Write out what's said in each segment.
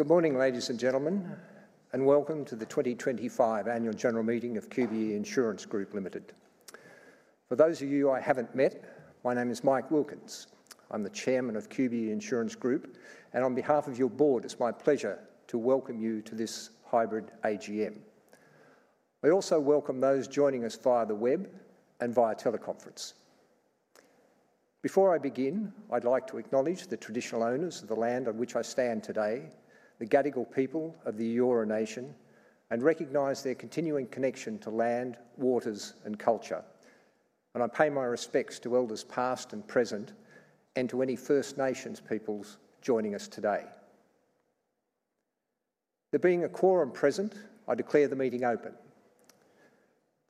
Good morning, ladies and gentlemen, and welcome to the 2025 Annual General Meeting of QBE Insurance Group Limited. For those of you I haven't met, my name is Mike Wilkins. I'm the Chairman of QBE Insurance Group, and on behalf of your board, it's my pleasure to welcome you to this hybrid AGM. We also welcome those joining us via the web and via teleconference. Before I begin, I'd like to acknowledge the traditional owners of the land on which I stand today, the Gadigal people of the Eora Nation, and recognize their continuing connection to land, waters, and culture, and I pay my respects to Elders past and present, and to any First Nations peoples joining us today. There being a quorum present, I declare the meeting open.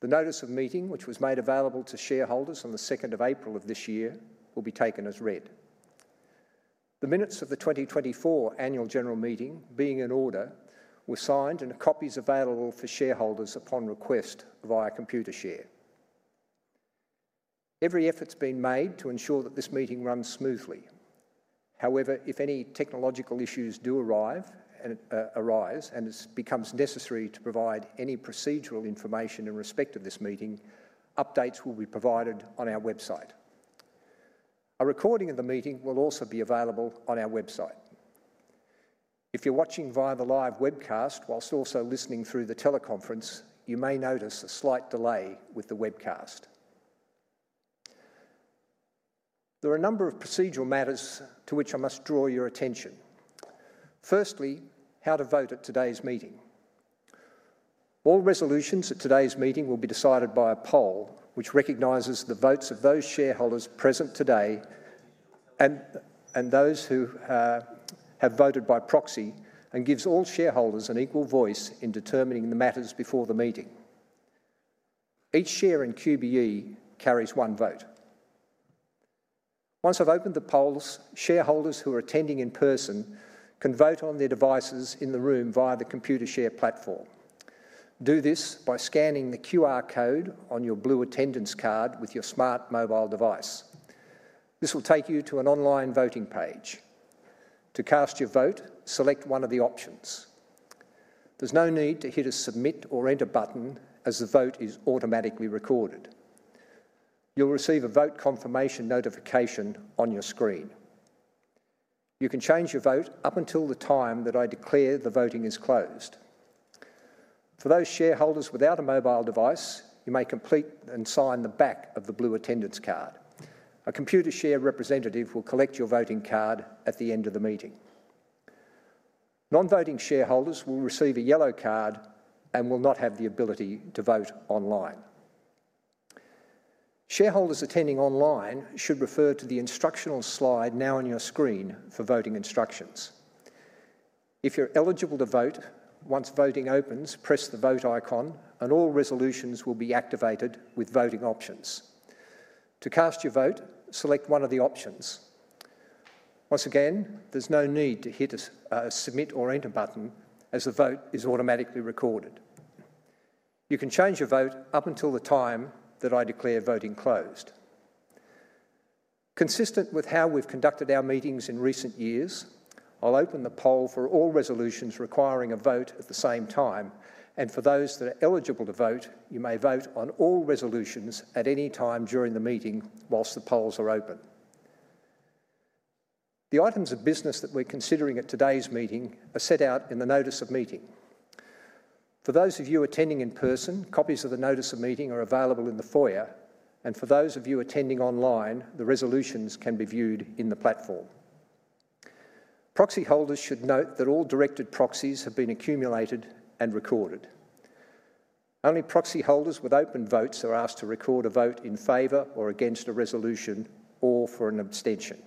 The notice of meeting, which was made available to shareholders on the 2nd of April of this year, will be taken as read. The minutes of the 2024 Annual General Meeting, being in order, were signed, and copies are available for shareholders upon request via Computershare. Every effort's been made to ensure that this meeting runs smoothly. However, if any technological issues do arise and it becomes necessary to provide any procedural information in respect of this meeting, updates will be provided on our website. A recording of the meeting will also be available on our website. If you're watching via the live webcast whilst also listening through the teleconference, you may notice a slight delay with the webcast. There are a number of procedural matters to which I must draw your attention. Firstly, how to vote at today's meeting. All resolutions at today's meeting will be decided by a poll which recognises the votes of those shareholders present today and those who have voted by proxy, and gives all shareholders an equal voice in determining the matters before the meeting. Each share in QBE carries one vote. Once I've opened the polls, shareholders who are attending in person can vote on their devices in the room via the Computershare platform. Do this by scanning the QR code on your blue attendance card with your smart mobile device. This will take you to an online voting page. To cast your vote, select one of the options. There's no need to hit a submit or enter button, as the vote is automatically recorded. You'll receive a vote confirmation notification on your screen. You can change your vote up until the time that I declare the voting is closed. For those shareholders without a mobile device, you may complete and sign the back of the blue attendance card. A Computershare representative will collect your voting card at the end of the meeting. Non-voting shareholders will receive a yellow card and will not have the ability to vote online. Shareholders attending online should refer to the instructional slide now on your screen for voting instructions. If you're eligible to vote, once voting opens, press the vote icon, and all resolutions will be activated with voting options. To cast your vote, select one of the options. Once again, there's no need to hit a submit or enter button, as the vote is automatically recorded. You can change your vote up until the time that I declare voting closed. Consistent with how we've conducted our meetings in recent years, I'll open the poll for all resolutions requiring a vote at the same time. And for those that are eligible to vote, you may vote on all resolutions at any time during the meeting whilst the polls are open. The items of business that we're considering at today's meeting are set out in the notice of meeting. For those of you attending in person, copies of the notice of meeting are available in the foyer. And for those of you attending online, the resolutions can be viewed in the platform. Proxy holders should note that all directed proxies have been accumulated and recorded. Only proxy holders with open votes are asked to record a vote in favour or against a resolution, or for an abstention.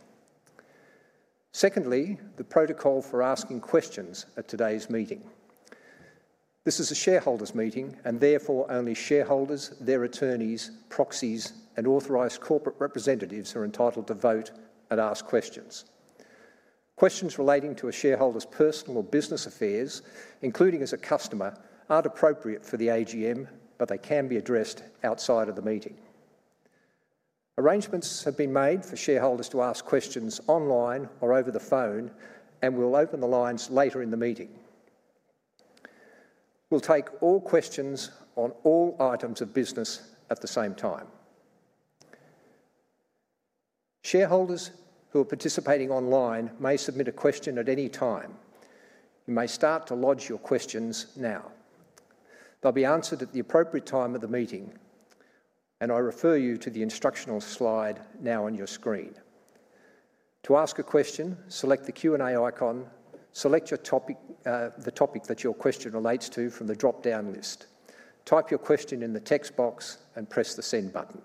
Secondly, the protocol for asking questions at today's meeting. This is a shareholders' meeting, and therefore only shareholders, their attorneys, proxies, and authorized corporate representatives are entitled to vote and ask questions. Questions relating to a shareholder's personal or business affairs, including as a customer, aren't appropriate for the AGM, but they can be addressed outside of the meeting. Arrangements have been made for shareholders to ask questions online or over the phone, and we'll open the lines later in the meeting. We'll take all questions on all items of business at the same time. Shareholders who are participating online may submit a question at any time. You may start to lodge your questions now. They'll be answered at the appropriate time of the meeting, and I refer you to the instructional slide now on your screen. To ask a question, select the Q&A icon, select the topic that your question relates to from the drop-down list, type your question in the text box, and press the send button.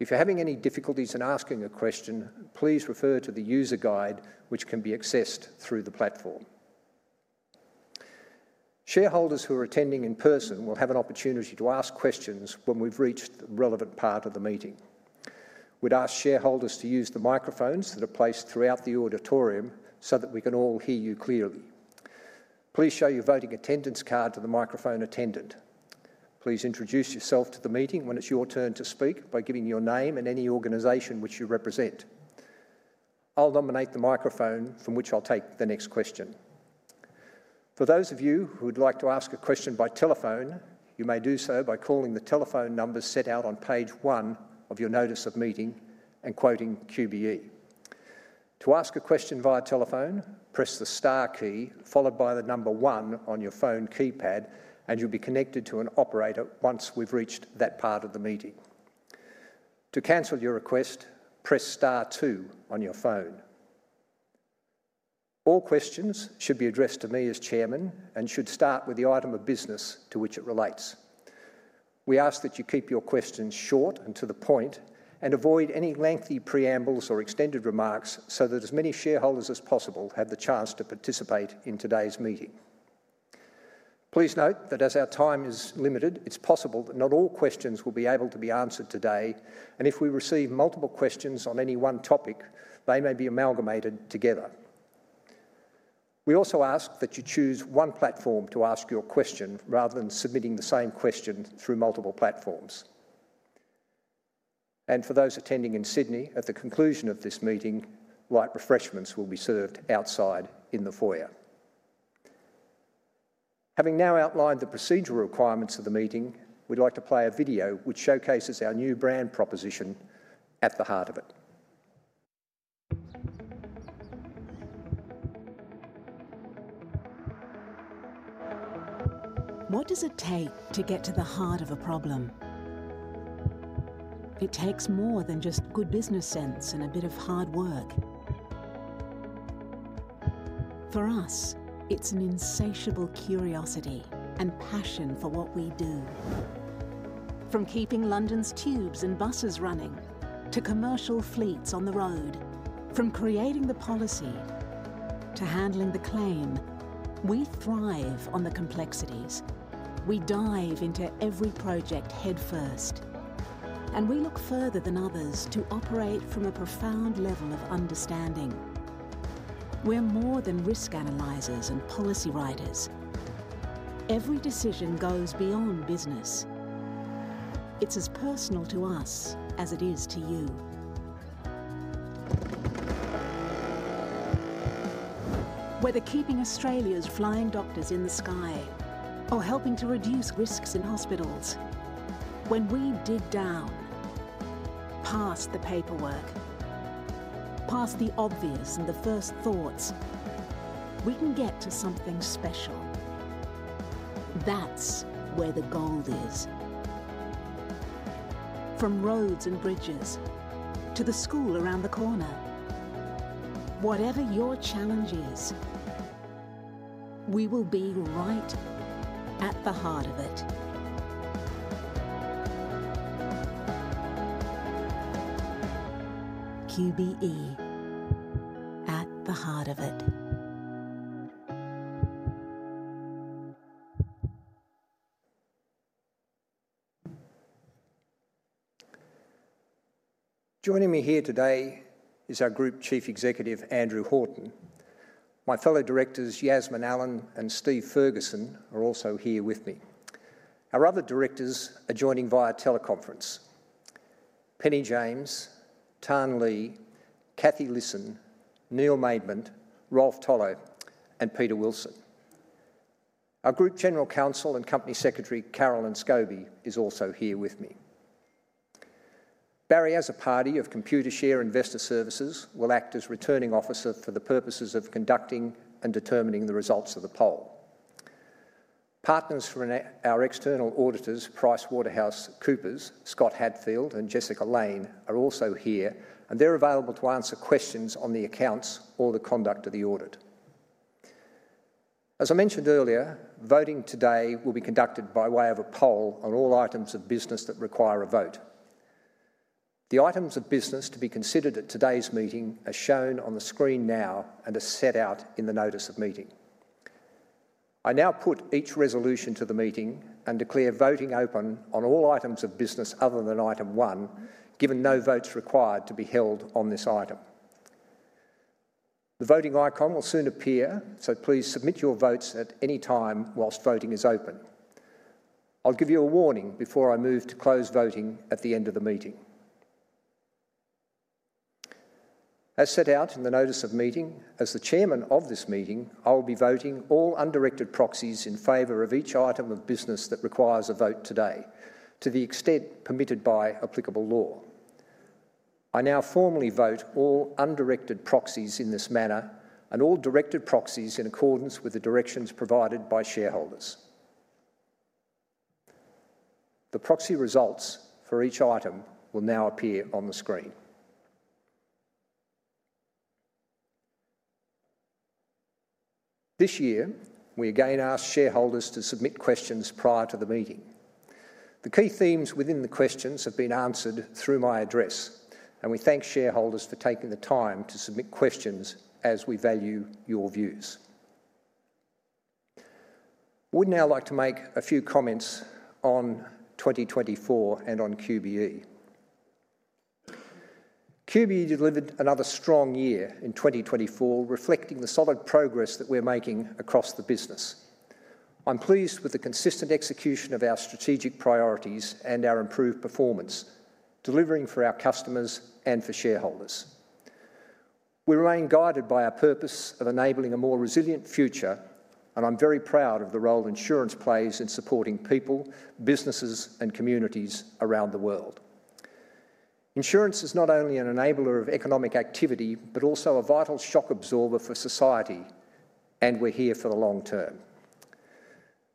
If you're having any difficulties in asking a question, please refer to the user guide, which can be accessed through the platform. Shareholders who are attending in person will have an opportunity to ask questions when we've reached the relevant part of the meeting. We'd ask shareholders to use the microphones that are placed throughout the auditorium so that we can all hear you clearly. Please show your voting attendance card to the microphone attendant. Please introduce yourself to the meeting when it's your turn to speak by giving your name and any organisation which you represent. I'll nominate the microphone from which I'll take the next question. For those of you who'd like to ask a question by telephone, you may do so by calling the telephone numbers set out on page one of your notice of meeting and quoting QBE. To ask a question via telephone, press the star key followed by the number one on your phone keypad, and you'll be connected to an operator once we've reached that part of the meeting. To cancel your request, press star two on your phone. All questions should be addressed to me as Chairman and should start with the item of business to which it relates. We ask that you keep your questions short and to the point, and avoid any lengthy preambles or extended remarks so that as many shareholders as possible have the chance to participate in today's meeting. Please note that as our time is limited, it's possible that not all questions will be able to be answered today, and if we receive multiple questions on any one topic, they may be amalgamated together. We also ask that you choose one platform to ask your question rather than submitting the same question through multiple platforms, and for those attending in Sydney, at the conclusion of this meeting, light refreshments will be served outside in the foyer. Having now outlined the procedural requirements of the meeting, we'd like to play a video which showcases our new brand proposition. At the Heart of It. What does it take to get to the heart of a problem? It takes more than just good business sense and a bit of hard work. For us, it's an insatiable curiosity and passion for what we do. From keeping London's tubes and buses running to commercial fleets on the road, from creating the policy to handling the claim, we thrive on the complexities. We dive into every project headfirst, and we look further than others to operate from a profound level of understanding. We're more than risk analyzers and policy writers. Every decision goes beyond business. It's as personal to us as it is to you. Whether keeping Australia's flying doctors in the sky or helping to reduce risks in hospitals, when we dig down, past the paperwork, past the obvious and the first thoughts, we can get to something special. That's where the gold is. From roads and bridges to the school around the corner, whatever your challenge is, we will be right at the heart of it. QBE, at the heart of it. Joining me here today is our Group Chief Executive, Andrew Horton. My fellow directors, Yasmin Allen and Steve Ferguson, are also here with me. Our other directors are joining via teleconference: Penny James, Tan Le, Kathy Lisson, Neil Maidment, Rolf Tolle, and Peter Wilson. Our Group General Counsel and Company Secretary, Carolyn Scobie, is also here with me. Barry Azarpadi, of Computershare Investor Services, will act as returning officer for the purposes of conducting and determining the results of the poll. Partners from our external auditors, PricewaterhouseCoopers, Scott Hadfield, and Jessica Lane are also here, and they're available to answer questions on the accounts or the conduct of the audit. As I mentioned earlier, voting today will be conducted by way of a poll on all items of business that require a vote. The items of business to be considered at today's meeting are shown on the screen now and are set out in the notice of meeting. I now put each resolution to the meeting and declare voting open on all items of business other than item one, given no votes required to be held on this item. The voting icon will soon appear, so please submit your votes at any time whilst voting is open. I'll give you a warning before I move to close voting at the end of the meeting. As set out in the notice of meeting, as the Chairman of this meeting, I will be voting all undirected proxies in favour of each item of business that requires a vote today, to the extent permitted by applicable law. I now formally vote all undirected proxies in this manner and all directed proxies in accordance with the directions provided by shareholders. The proxy results for each item will now appear on the screen. This year, we again ask shareholders to submit questions prior to the meeting. The key themes within the questions have been answered through my address, and we thank shareholders for taking the time to submit questions as we value your views. We'd now like to make a few comments on 2024 and on QBE. QBE delivered another strong year in 2024, reflecting the solid progress that we're making across the business. I'm pleased with the consistent execution of our strategic priorities and our improved performance, delivering for our customers and for shareholders. We remain guided by our purpose of enabling a more resilient future, and I'm very proud of the role insurance plays in supporting people, businesses, and communities around the world. Insurance is not only an enabler of economic activity, but also a vital shock absorber for society, and we're here for the long term.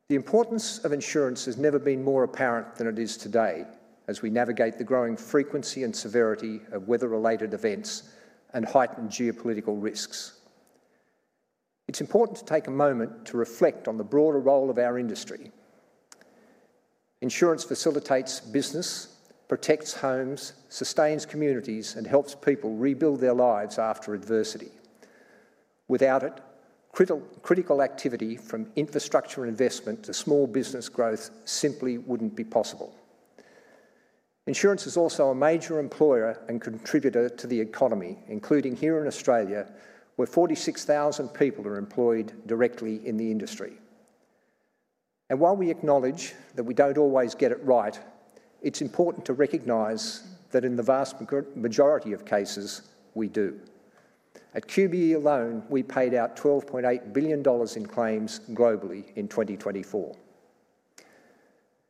The importance of insurance has never been more apparent than it is today, as we navigate the growing frequency and severity of weather-related events and heightened geopolitical risks. It's important to take a moment to reflect on the broader role of our industry. Insurance facilitates business, protects homes, sustains communities, and helps people rebuild their lives after adversity. Without it, critical activity from infrastructure and investment to small business growth simply wouldn't be possible. Insurance is also a major employer and contributor to the economy, including here in Australia, where 46,000 people are employed directly in the industry. While we acknowledge that we don't always get it right, it's important to recognize that in the vast majority of cases, we do. At QBE alone, we paid out $12.8 billion in claims globally in 2024.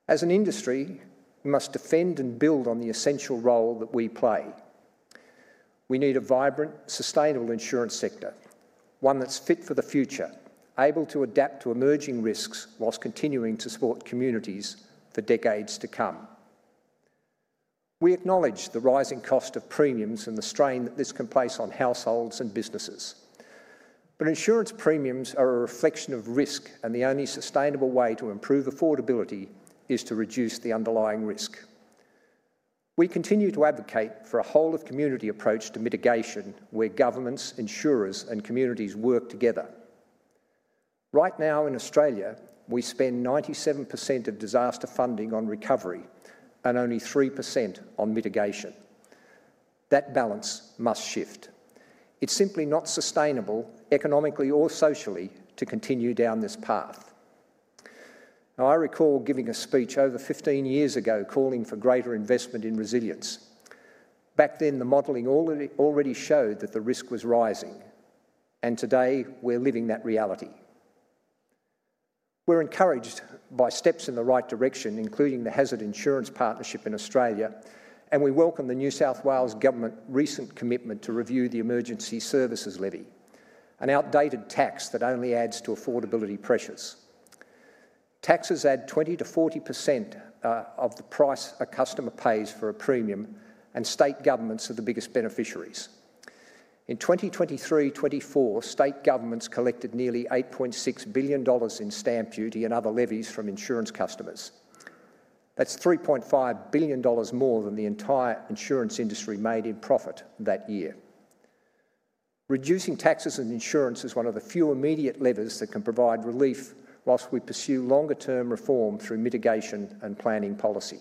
As an industry, we must defend and build on the essential role that we play. We need a vibrant, sustainable insurance sector, one that's fit for the future, able to adapt to emerging risks while continuing to support communities for decades to come. We acknowledge the rising cost of premiums and the strain that this can place on households and businesses. Insurance premiums are a reflection of risk, and the only sustainable way to improve affordability is to reduce the underlying risk. We continue to advocate for a whole-of-community approach to mitigation, where governments, insurers, and communities work together. Right now in Australia, we spend 97% of disaster funding on recovery and only 3% on mitigation. That balance must shift. It's simply not sustainable, economically or socially, to continue down this path. I recall giving a speech over 15 years ago calling for greater investment in resilience. Back then, the modelling already showed that the risk was rising, and today we're living that reality. We're encouraged by steps in the right direction, including the Hazard Insurance Partnership in Australia, and we welcome the New South Wales government's recent commitment to review the emergency services levy, an outdated tax that only adds to affordability pressures. Taxes add 20%-40% of the price a customer pays for a premium, and state governments are the biggest beneficiaries. In 2023-2024, state governments collected nearly 8.6 billion dollars in stamp duty and other levies from insurance customers. That's 3.5 billion dollars more than the entire insurance industry made in profit that year. Reducing taxes on insurance is one of the few immediate levers that can provide relief while we pursue longer-term reform through mitigation and planning policy.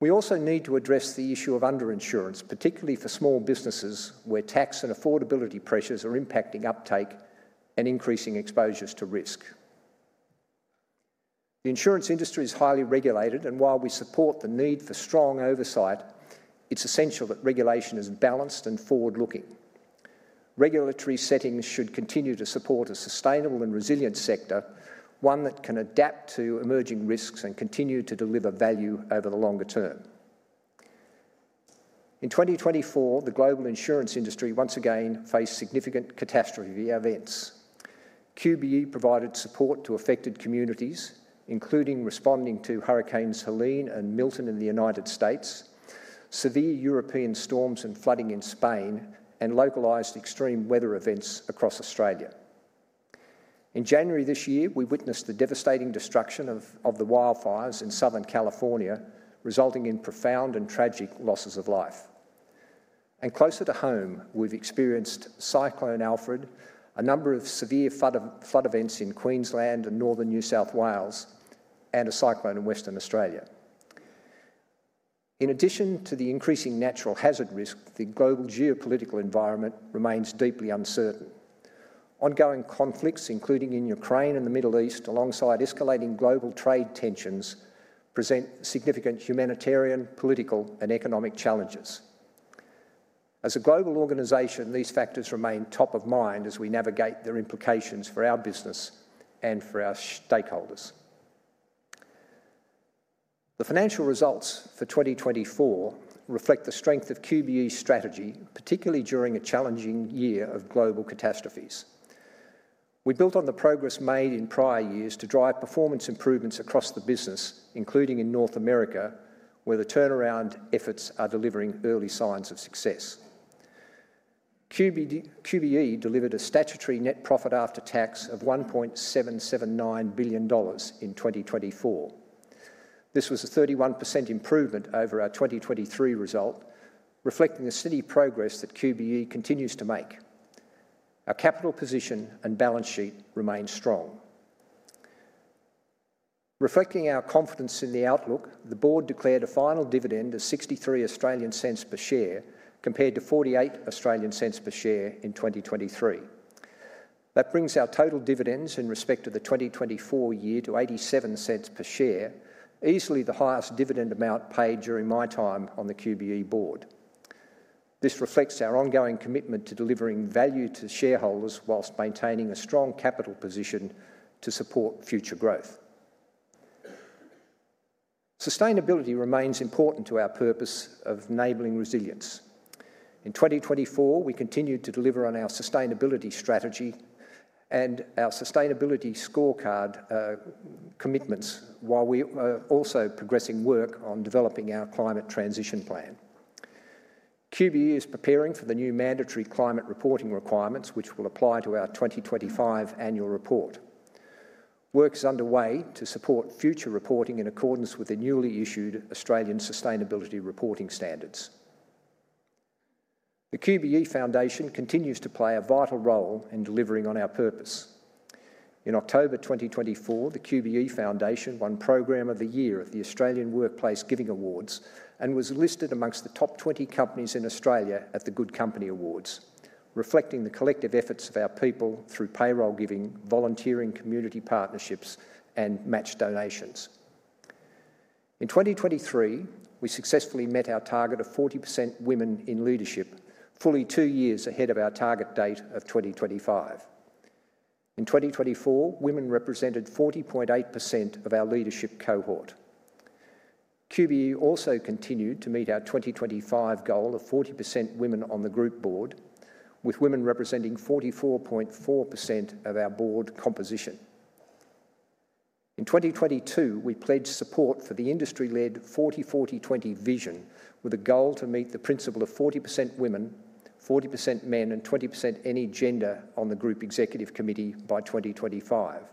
We also need to address the issue of underinsurance, particularly for small businesses, where tax and affordability pressures are impacting uptake and increasing exposures to risk. The insurance industry is highly regulated, and while we support the need for strong oversight, it's essential that regulation is balanced and forward-looking. Regulatory settings should continue to support a sustainable and resilient sector, one that can adapt to emerging risks and continue to deliver value over the longer term. In 2024, the global insurance industry once again faced significant catastrophe events. QBE provided support to affected communities, including responding to Hurricanes Helene and Milton in the United States, severe European storms and flooding in Spain, and localized extreme weather events across Australia. In January this year, we witnessed the devastating destruction of the wildfires in Southern California, resulting in profound and tragic losses of life. And closer to home, we've experienced Cyclone Alfred, a number of severe flood events in Queensland and northern New South Wales, and a cyclone in Western Australia. In addition to the increasing natural hazard risk, the global geopolitical environment remains deeply uncertain. Ongoing conflicts, including in Ukraine and the Middle East, alongside escalating global trade tensions, present significant humanitarian, political, and economic challenges. As a global organization, these factors remain top of mind as we navigate their implications for our business and for our stakeholders. The financial results for 2024 reflect the strength of QBE's strategy, particularly during a challenging year of global catastrophes. We built on the progress made in prior years to drive performance improvements across the business, including in North America, where the turnaround efforts are delivering early signs of success. QBE delivered a statutory net profit after tax of 1.779 billion dollars in 2024. This was a 31% improvement over our 2023 result, reflecting the steady progress that QBE continues to make. Our capital position and balance sheet remain strong. Reflecting our confidence in the outlook, the board declared a final dividend of 0.63 per share, compared to 0.48 per share in 2023. That brings our total dividends in respect of the 2024 year to 0.87 per share, easily the highest dividend amount paid during my time on the QBE board. This reflects our ongoing commitment to delivering value to shareholders while maintaining a strong capital position to support future growth. Sustainability remains important to our purpose of enabling resilience. In 2024, we continued to deliver on our sustainability strategy and our Sustainability Scorecard commitments, while we are also progressing work on developing our Climate Transition Plan. QBE is preparing for the new mandatory climate reporting requirements, which will apply to our 2025 annual report. Work is underway to support future reporting in accordance with the newly issued Australian Sustainability Reporting Standards. The QBE Foundation continues to play a vital role in delivering on our purpose. In October 2024, the QBE Foundation won Program of the Year at the Australian Workplace Giving Awards and was listed among the top 20 companies in Australia at the GoodCompany Awards, reflecting the collective efforts of our people through payroll giving, volunteering community partnerships, and matched donations. In 2023, we successfully met our target of 40% women in leadership, fully two years ahead of our target date of 2025. In 2024, women represented 40.8% of our leadership cohort. QBE also continued to meet our 2025 goal of 40% women on the Group Board, with women representing 44.4% of our board composition. In 2022, we pledged support for the industry-led 40:40 Vision, with a goal to meet the principle of 40% women, 40% men, and 20% any gender on the Group Executive Committee by 2025,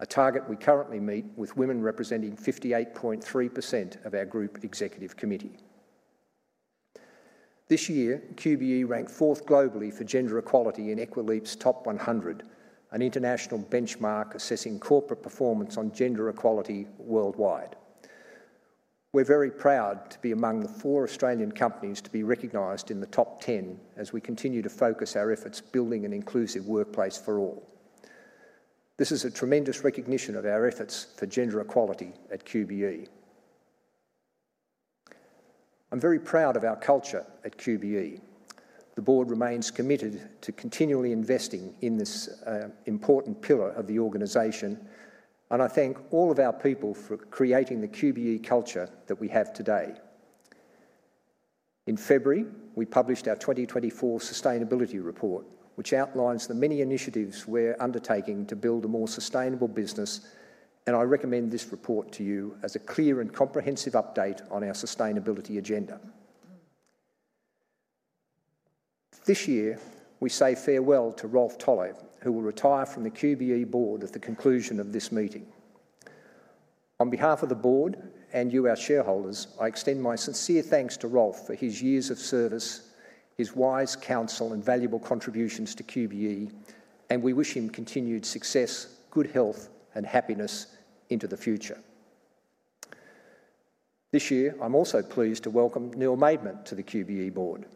a target we currently meet with women representing 58.3% of our Group Executive Committee. This year, QBE ranked fourth globally for gender equality in Equileap's Top 100, an international benchmark assessing corporate performance on gender equality worldwide. We're very proud to be among the four Australian companies to be recognized in the top 10 as we continue to focus our efforts building an inclusive workplace for all. This is a tremendous recognition of our efforts for gender equality at QBE. I'm very proud of our culture at QBE. The board remains committed to continually investing in this important pillar of the organization, and I thank all of our people for creating the QBE culture that we have today. In February, we published our 2024 Sustainability Report, which outlines the many initiatives we're undertaking to build a more sustainable business, and I recommend this report to you as a clear and comprehensive update on our sustainability agenda. This year, we say farewell to Rolf Tolle, who will retire from the QBE board at the conclusion of this meeting. On behalf of the board and you, our shareholders, I extend my sincere thanks to Rolf for his years of service, his wise counsel, and valuable contributions to QBE, and we wish him continued success, good health, and happiness into the future. This year, I'm also pleased to welcome Neil Maidment to the QBE board.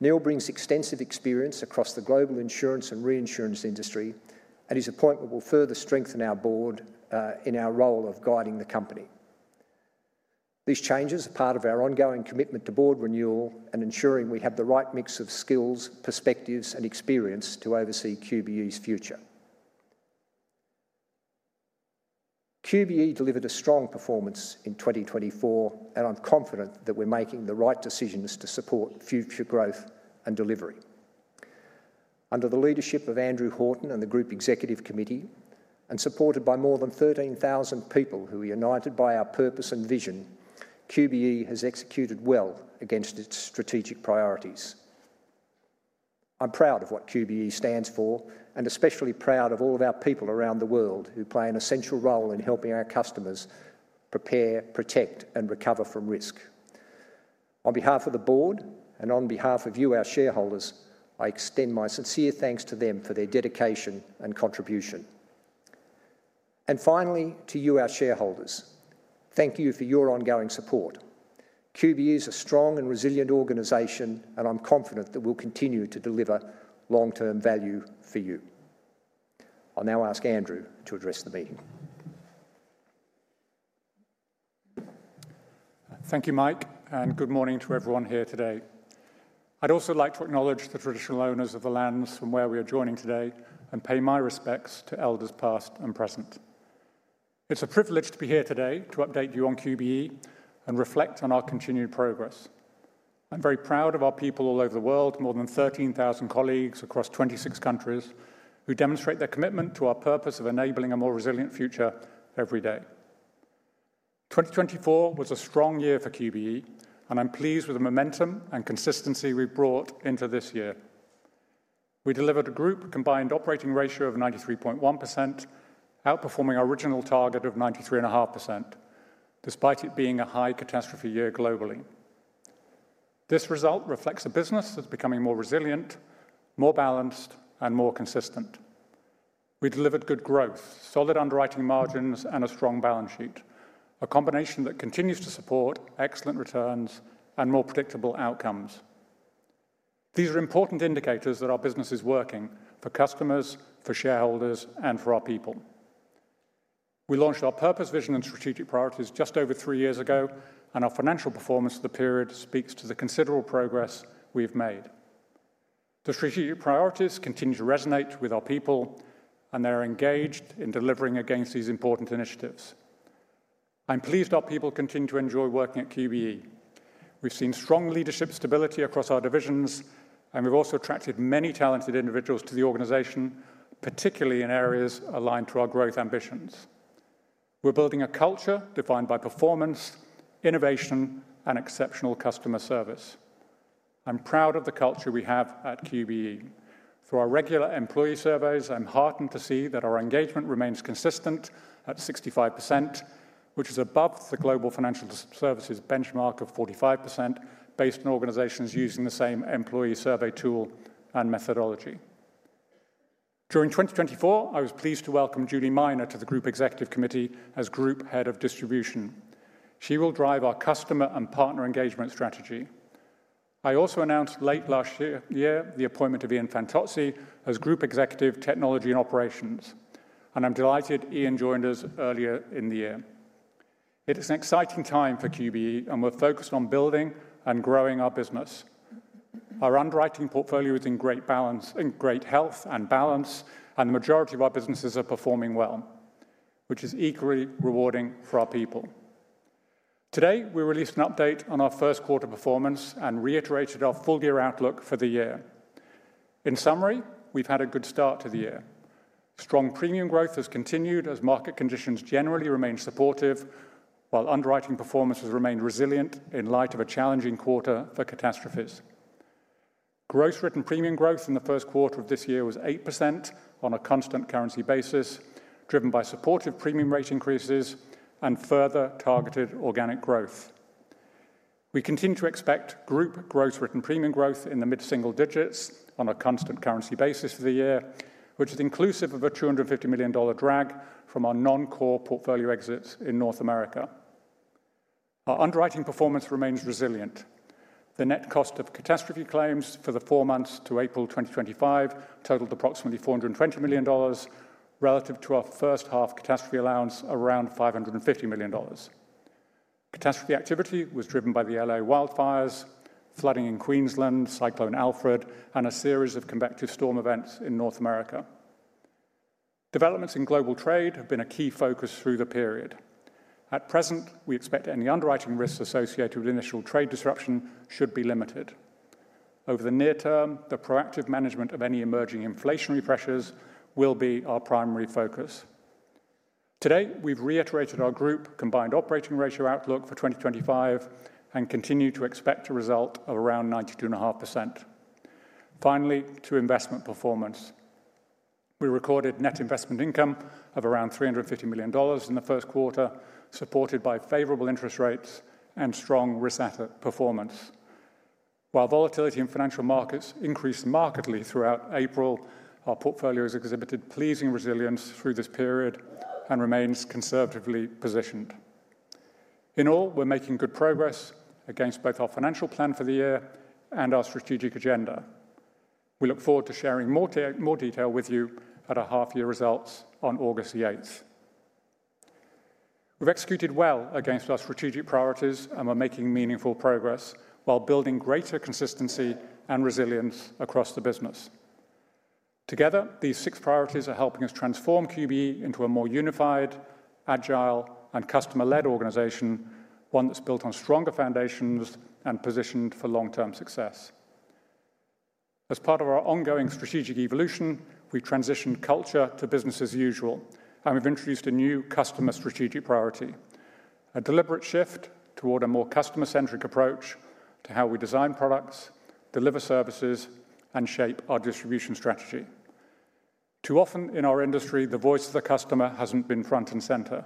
Neil brings extensive experience across the global insurance and reinsurance industry, and his appointment will further strengthen our board in our role of guiding the company. These changes are part of our ongoing commitment to board renewal and ensuring we have the right mix of skills, perspectives, and experience to oversee QBE's future. QBE delivered a strong performance in 2024, and I'm confident that we're making the right decisions to support future growth and delivery. Under the leadership of Andrew Horton and the Group Executive Committee, and supported by more than 13,000 people who are united by our purpose and vision, QBE has executed well against its strategic priorities. I'm proud of what QBE stands for, and especially proud of all of our people around the world who play an essential role in helping our customers prepare, protect, and recover from risk. On behalf of the board and on behalf of you, our shareholders, I extend my sincere thanks to them for their dedication and contribution. And finally, to you, our shareholders, thank you for your ongoing support. QBE is a strong and resilient organization, and I'm confident that we'll continue to deliver long-term value for you. I'll now ask Andrew to address the meeting. Thank you, Mike, and good morning to everyone here today. I'd also like to acknowledge the traditional owners of the lands from where we are joining today and pay my respects to elders past and present. It's a privilege to be here today to update you on QBE and reflect on our continued progress. I'm very proud of our people all over the world, more than 13,000 colleagues across 26 countries who demonstrate their commitment to our purpose of enabling a more resilient future every day. 2024 was a strong year for QBE, and I'm pleased with the momentum and consistency we've brought into this year. We delivered a Group Combined Operating Ratio of 93.1%, outperforming our original target of 93.5%, despite it being a high catastrophe year globally. This result reflects a business that's becoming more resilient, more balanced, and more consistent. We delivered good growth, solid underwriting margins, and a strong balance sheet, a combination that continues to support excellent returns and more predictable outcomes. These are important indicators that our business is working for customers, for shareholders, and for our people. We launched our purpose, vision, and strategic priorities just over three years ago, and our financial performance of the period speaks to the considerable progress we've made. The strategic priorities continue to resonate with our people, and they're engaged in delivering against these important initiatives. I'm pleased our people continue to enjoy working at QBE. We've seen strong leadership stability across our divisions, and we've also attracted many talented individuals to the organization, particularly in areas aligned to our growth ambitions. We're building a culture defined by performance, innovation, and exceptional customer service. I'm proud of the culture we have at QBE. Through our regular employee surveys, I'm heartened to see that our engagement remains consistent at 65%, which is above the Global Financial Services benchmark of 45% based on organizations using the same employee survey tool and methodology. During 2024, I was pleased to welcome Julie Main to the Group Executive Committee as Group Head of Distribution. She will drive our customer and partner engagement strategy. I also announced late last year the appointment of Ian Fantozzi as Group Executive Technology and Operations, and I'm delighted Ian joined us earlier in the year. It is an exciting time for QBE, and we're focused on building and growing our business. Our underwriting portfolio is in great balance, in great health and balance, and the majority of our businesses are performing well, which is equally rewarding for our people. Today, we released an update on our first quarter performance and reiterated our full-year outlook for the year. In summary, we've had a good start to the year. Strong premium growth has continued as market conditions generally remain supportive, while underwriting performance has remained resilient in light of a challenging quarter for catastrophes. Gross Written Premium growth in the first quarter of this year was 8% on a constant currency basis, driven by supportive premium rate increases and further targeted organic growth. We continue to expect Group Gross Written Premium growth in the mid-single digits on a constant currency basis for the year, which is inclusive of a $250 million drag from our non-core portfolio exits in North America. Our underwriting performance remains resilient. The net cost of catastrophe claims for the four months to April 2025 totaled approximately $420 million, relative to our first half catastrophe allowance around $550 million. Catastrophe activity was driven by the LA wildfires, flooding in Queensland, Cyclone Alfred, and a series of convective storm events in North America. Developments in global trade have been a key focus through the period. At present, we expect any underwriting risks associated with initial trade disruption should be limited. Over the near term, the proactive management of any emerging inflationary pressures will be our primary focus. Today, we've reiterated our Group Combined Operating Ratio outlook for 2025 and continue to expect a result of around 92.5%. Finally, to investment performance, we recorded net investment income of around $350 million in the first quarter, supported by favorable interest rates and strong risk asset performance. While volatility in financial markets increased markedly throughout April, our portfolio has exhibited pleasing resilience through this period and remains conservatively positioned. In all, we're making good progress against both our financial plan for the year and our strategic agenda. We look forward to sharing more detail with you at our half-year results on August 8th. We've executed well against our strategic priorities, and we're making meaningful progress while building greater consistency and resilience across the business. Together, these six priorities are helping us transform QBE into a more unified, agile, and customer-led organization, one that's built on stronger foundations and positioned for long-term success. As part of our ongoing strategic evolution, we've transitioned culture to business as usual, and we've introduced a new customer strategic priority: a deliberate shift toward a more customer-centric approach to how we design products, deliver services, and shape our distribution strategy. Too often in our industry, the voice of the customer hasn't been front and center.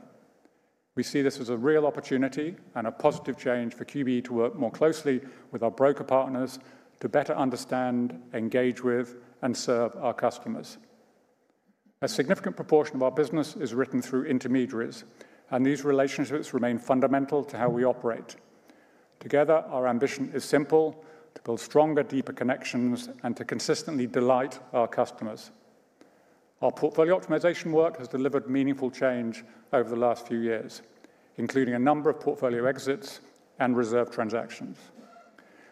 We see this as a real opportunity and a positive change for QBE to work more closely with our broker partners to better understand, engage with, and serve our customers. A significant proportion of our business is written through intermediaries, and these relationships remain fundamental to how we operate. Together, our ambition is simple: to build stronger, deeper connections and to consistently delight our customers. Our portfolio optimization work has delivered meaningful change over the last few years, including a number of portfolio exits and reserve transactions.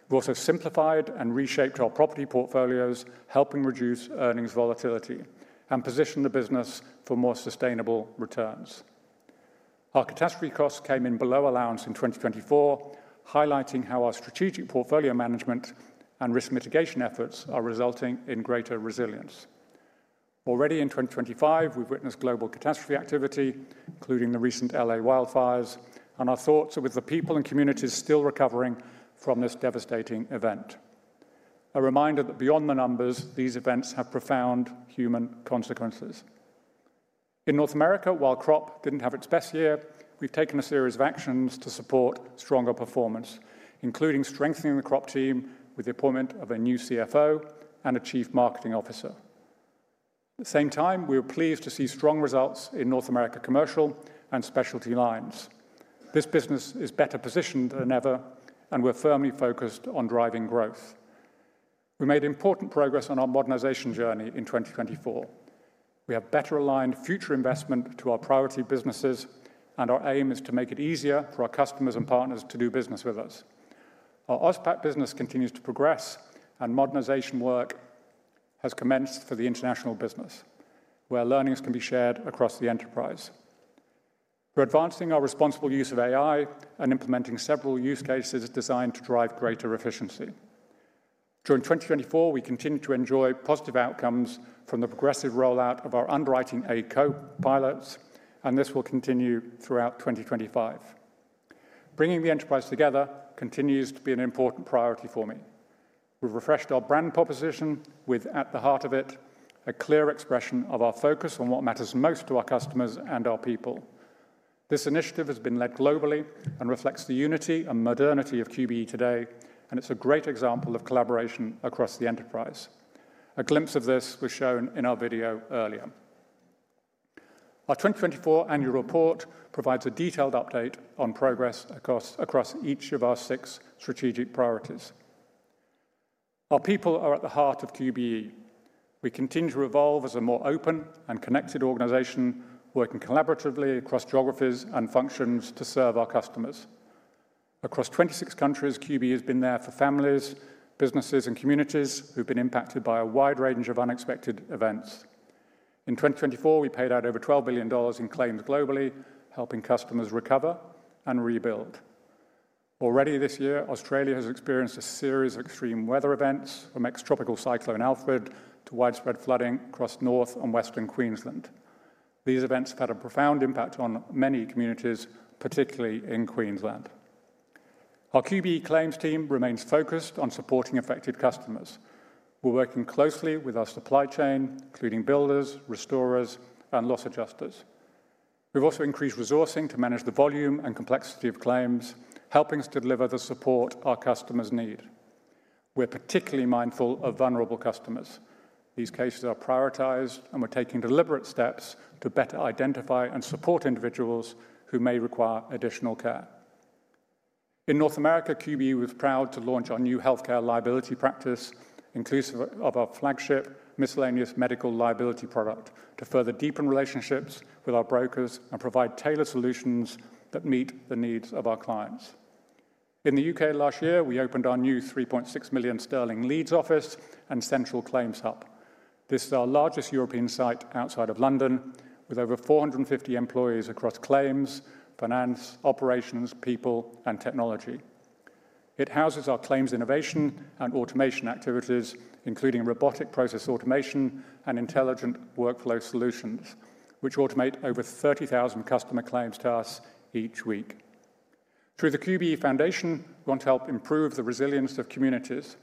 We've also simplified and reshaped our property portfolios, helping reduce earnings volatility and position the business for more sustainable returns. Our catastrophe costs came in below allowance in 2024, highlighting how our strategic portfolio management and risk mitigation efforts are resulting in greater resilience. Already in 2025, we've witnessed global catastrophe activity, including the recent LA wildfires, and our thoughts are with the people and communities still recovering from this devastating event. A reminder that beyond the numbers, these events have profound human consequences. In North America, while crop didn't have its best year, we've taken a series of actions to support stronger performance, including strengthening the crop team with the appointment of a new CFO and a Chief Marketing Officer. At the same time, we are pleased to see strong results in North America commercial and specialty lines. This business is better positioned than ever, and we're firmly focused on driving growth. We made important progress on our modernization journey in 2024. We have better aligned future investment to our priority businesses, and our aim is to make it easier for our customers and partners to do business with us. Our AusPac business continues to progress, and modernization work has commenced for the international business, where learnings can be shared across the enterprise. We're advancing our responsible use of AI and implementing several use cases designed to drive greater efficiency. During 2024, we continue to enjoy positive outcomes from the progressive rollout of our underwriting AI Copilots, and this will continue throughout 2025. Bringing the enterprise together continues to be an important priority for me. We've refreshed our brand proposition with At the Heart of It, a clear expression of our focus on what matters most to our customers and our people. This initiative has been led globally and reflects the unity and modernity of QBE today, and it's a great example of collaboration across the enterprise. A glimpse of this was shown in our video earlier. Our 2024 annual report provides a detailed update on progress across each of our six strategic priorities. Our people are at the heart of QBE. We continue to evolve as a more open and connected organization, working collaboratively across geographies and functions to serve our customers. Across 26 countries, QBE has been there for families, businesses, and communities who've been impacted by a wide range of unexpected events. In 2024, we paid out over $12 billion in claims globally, helping customers recover and rebuild. Already this year, Australia has experienced a series of extreme weather events, from ex-tropical Cyclone Alfred to widespread flooding across north and western Queensland. These events have had a profound impact on many communities, particularly in Queensland. Our QBE claims team remains focused on supporting affected customers. We're working closely with our supply chain, including builders, restorers, and loss adjusters. We've also increased resourcing to manage the volume and complexity of claims, helping us to deliver the support our customers need. We're particularly mindful of vulnerable customers. These cases are prioritized, and we're taking deliberate steps to better identify and support individuals who may require additional care. In North America, QBE was proud to launch our new healthcare liability practice, inclusive of our flagship miscellaneous medical liability product, to further deepen relationships with our brokers and provide tailored solutions that meet the needs of our clients. In the UK, last year, we opened our new 3.6 million sterling Leeds office and central claims hub. This is our largest European site outside of London, with over 450 employees across claims, finance, operations, people, and technology. It houses our claims innovation and automation activities, including robotic process automation and intelligent workflow solutions, which automate over 30,000 customer claims to us each week. Through the QBE Foundation, we want to help improve the resilience of communities.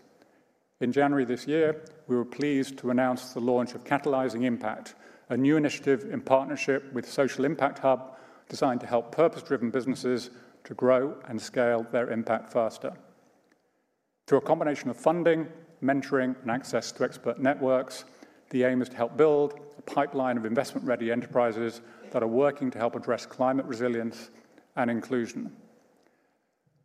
In January this year, we were pleased to announce the launch of Catalysing Impact, a new initiative in partnership with Social Impact Hub, designed to help purpose-driven businesses to grow and scale their impact faster. Through a combination of funding, mentoring, and access to expert networks, the aim is to help build a pipeline of investment-ready enterprises that are working to help address climate resilience and inclusion.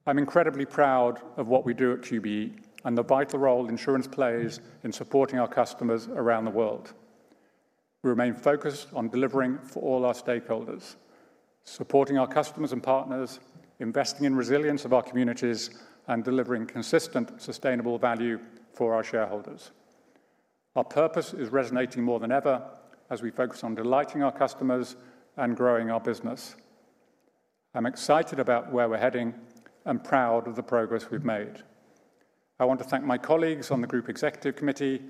I'm incredibly proud of what we do at QBE and the vital role insurance plays in supporting our customers around the world. We remain focused on delivering for all our stakeholders, supporting our customers and partners, investing in resilience of our communities, and delivering consistent, sustainable value for our shareholders. Our purpose is resonating more than ever as we focus on delighting our customers and growing our business. I'm excited about where we're heading and proud of the progress we've made. I want to thank my colleagues on the Group Executive Committee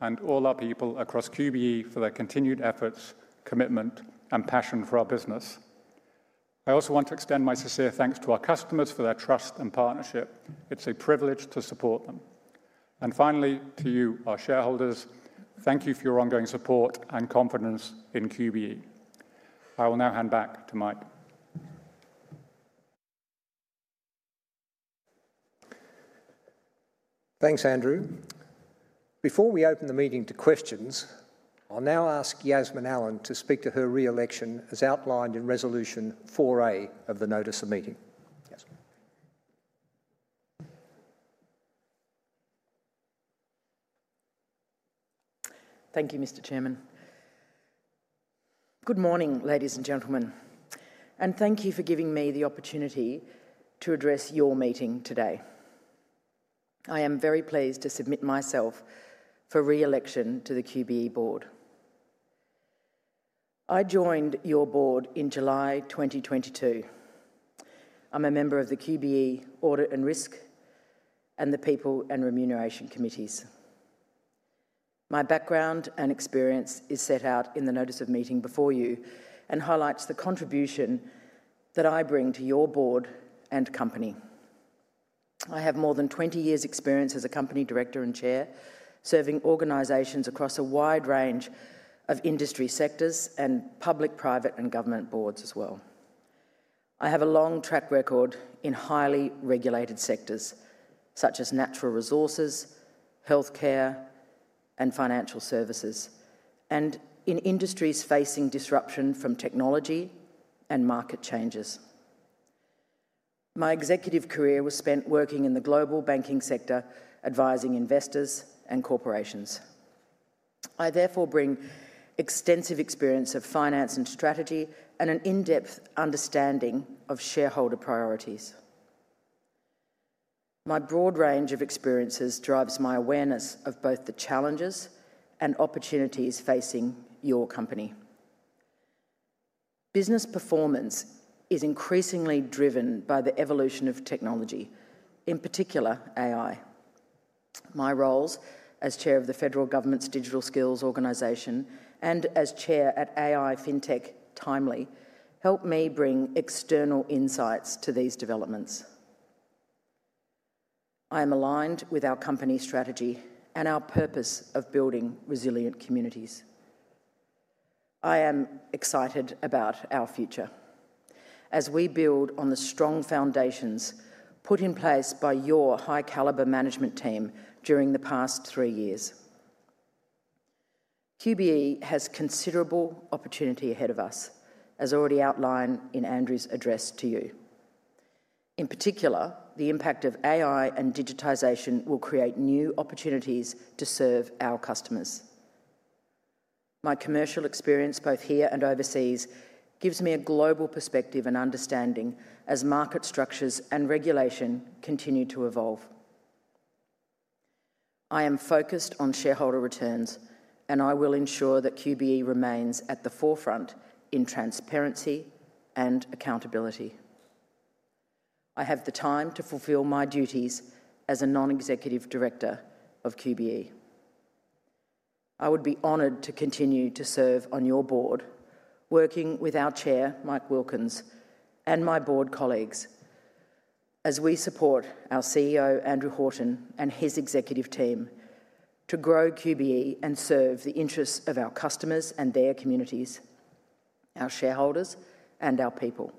and all our people across QBE for their continued efforts, commitment, and passion for our business. I also want to extend my sincere thanks to our customers for their trust and partnership. It's a privilege to support them. And finally, to you, our shareholders, thank you for your ongoing support and confidence in QBE. I will now hand back to Mike. Thanks, Andrew. Before we open the meeting to questions, I'll now ask Yasmin Allen to speak to her re-election as outlined in Resolution 4A of the Notice of Meeting. Yasmin. Thank you, Mr. Chairman. Good morning, ladies and gentlemen, and thank you for giving me the opportunity to address your meeting today. I am very pleased to submit myself for re-election to the QBE Board. I joined your board in July 2022. I'm a member of the QBE Audit and Risk and the People and Remuneration Committees. My background and experience is set out in the Notice of Meeting before you and highlights the contribution that I bring to your board and company. I have more than 20 years' experience as a company director and chair, serving organizations across a wide range of industry sectors and public, private, and government boards as well. I have a long track record in highly regulated sectors such as natural resources, healthcare, and financial services, and in industries facing disruption from technology and market changes. My executive career was spent working in the global banking sector, advising investors and corporations. I therefore bring extensive experience of finance and strategy and an in-depth understanding of shareholder priorities. My broad range of experiences drives my awareness of both the challenges and opportunities facing your company. Business performance is increasingly driven by the evolution of technology, in particular AI. My roles as chair of the Federal Government's Digital Skills Organisation and as chair at AI FinTech, Tiimely, help me bring external insights to these developments. I am aligned with our company strategy and our purpose of building resilient communities. I am excited about our future as we build on the strong foundations put in place by your high-calibre management team during the past three years. QBE has considerable opportunity ahead of us, as already outlined in Andrew's address to you. In particular, the impact of AI and digitisation will create new opportunities to serve our customers. My commercial experience, both here and overseas, gives me a global perspective and understanding as market structures and regulation continue to evolve. I am focused on shareholder returns, and I will ensure that QBE remains at the forefront in transparency and accountability. I have the time to fulfill my duties as a non-executive director of QBE. I would be honored to continue to serve on your board, working with our Chair, Mike Wilkins, and my board colleagues, as we support our CEO, Andrew Horton, and his executive team to grow QBE and serve the interests of our customers and their communities, our shareholders, and our people.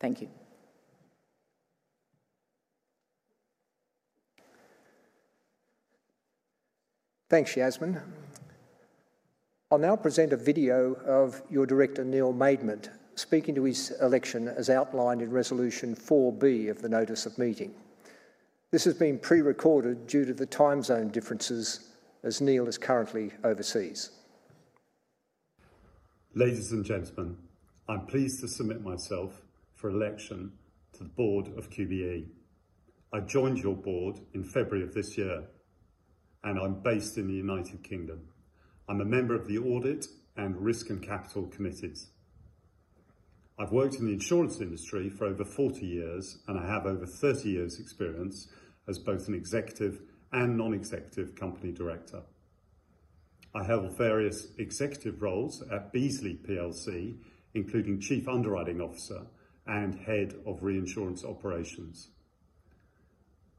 Thank you. Thanks, Yasmin. I'll now present a video of your director, Neil Maidment, speaking to his election as outlined in Resolution 4B of the Notice of Meeting. This has been pre-recorded due to the time zone differences as Neil is currently overseas. Ladies and gentlemen, I'm pleased to submit myself for election to the Board of QBE. I joined your board in February of this year, and I'm based in the United Kingdom. I'm a member of the Audit and Risk and Capital Committees. I've worked in the insurance industry for over 40 years, and I have over 30 years' experience as both an executive and non-executive company director. I held various executive roles at Beazley plc, including Chief Underwriting Officer and Head of Reinsurance Operations.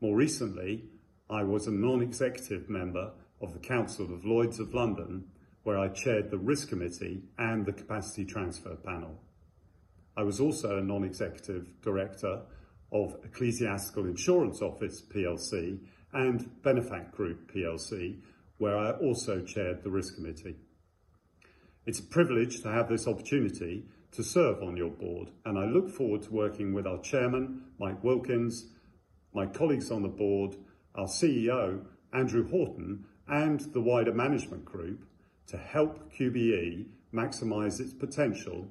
More recently, I was a non-executive member of the Council of Lloyd's of London, where I chaired the Risk Committee and the Capacity Transfer Panel. I was also a non-executive director of Ecclesiastical Insurance Office plc and Benefact Group plc, where I also chaired the Risk Committee. It's a privilege to have this opportunity to serve on your board, and I look forward to working with our chairman, Mike Wilkins, my colleagues on the board, our CEO, Andrew Horton, and the wider management group to help QBE maximize its potential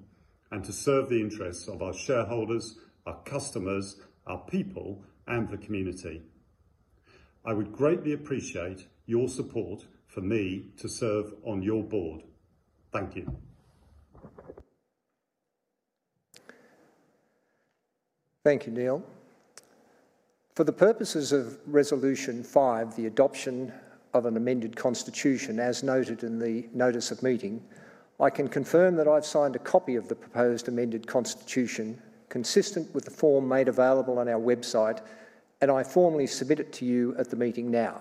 and to serve the interests of our shareholders, our customers, our people, and the community. I would greatly appreciate your support for me to serve on your board. Thank you. Thank you, Neil. For the purposes of Resolution 5, the adoption of an amended constitution, as noted in the Notice of Meeting, I can confirm that I've signed a copy of the proposed amended constitution consistent with the form made available on our website, and I formally submit it to you at the meeting now.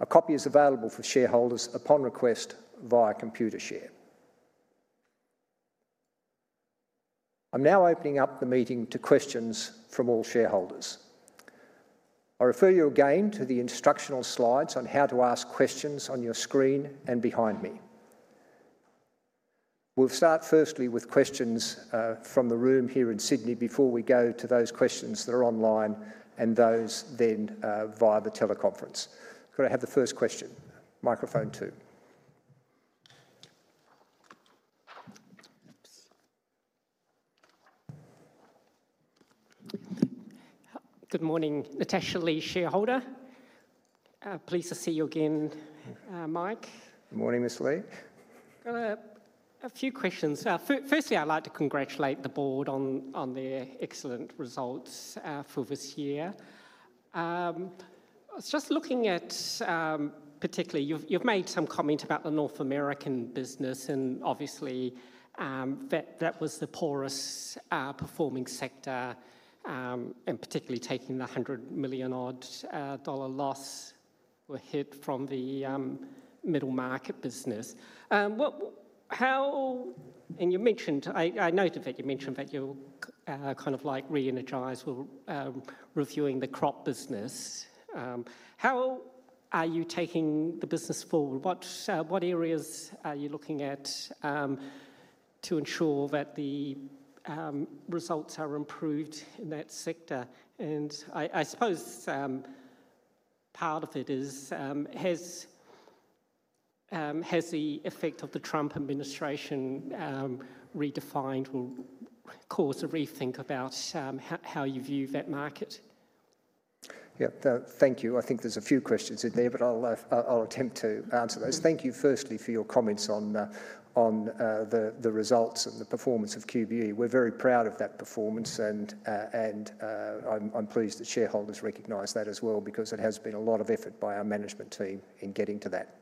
A copy is available for shareholders upon request via Computershare. I'm now opening up the meeting to questions from all shareholders. I refer you again to the instructional slides on how to ask questions on your screen and behind me. We'll start firstly with questions from the room here in Sydney before we go to those questions that are online and those then via the teleconference. Could I have the first question? Microphone two. Good morning, Natasha Lee, shareholder. Pleased to see you again, Mike. Good morning, Ms. Lee. A few questions. Firstly, I'd like to congratulate the board on their excellent results for this year. Just looking at particularly, you've made some comment about the North American business, and obviously that was the poorest performing sector, and particularly taking the $100 million loss we're hit from the middle market business. And you mentioned, I noted that you mentioned that you're kind of like re-energized with reviewing the crop business. How are you taking the business forward? What areas are you looking at to ensure that the results are improved in that sector? And I suppose part of it has the effect of the Trump administration re-elected will cause a rethink about how you view that market. Yeah, thank you. I think there's a few questions in there, but I'll attempt to answer those. Thank you firstly for your comments on the results and the performance of QBE. We're very proud of that performance, and I'm pleased that shareholders recognize that as well because there has been a lot of effort by our management team in getting to that.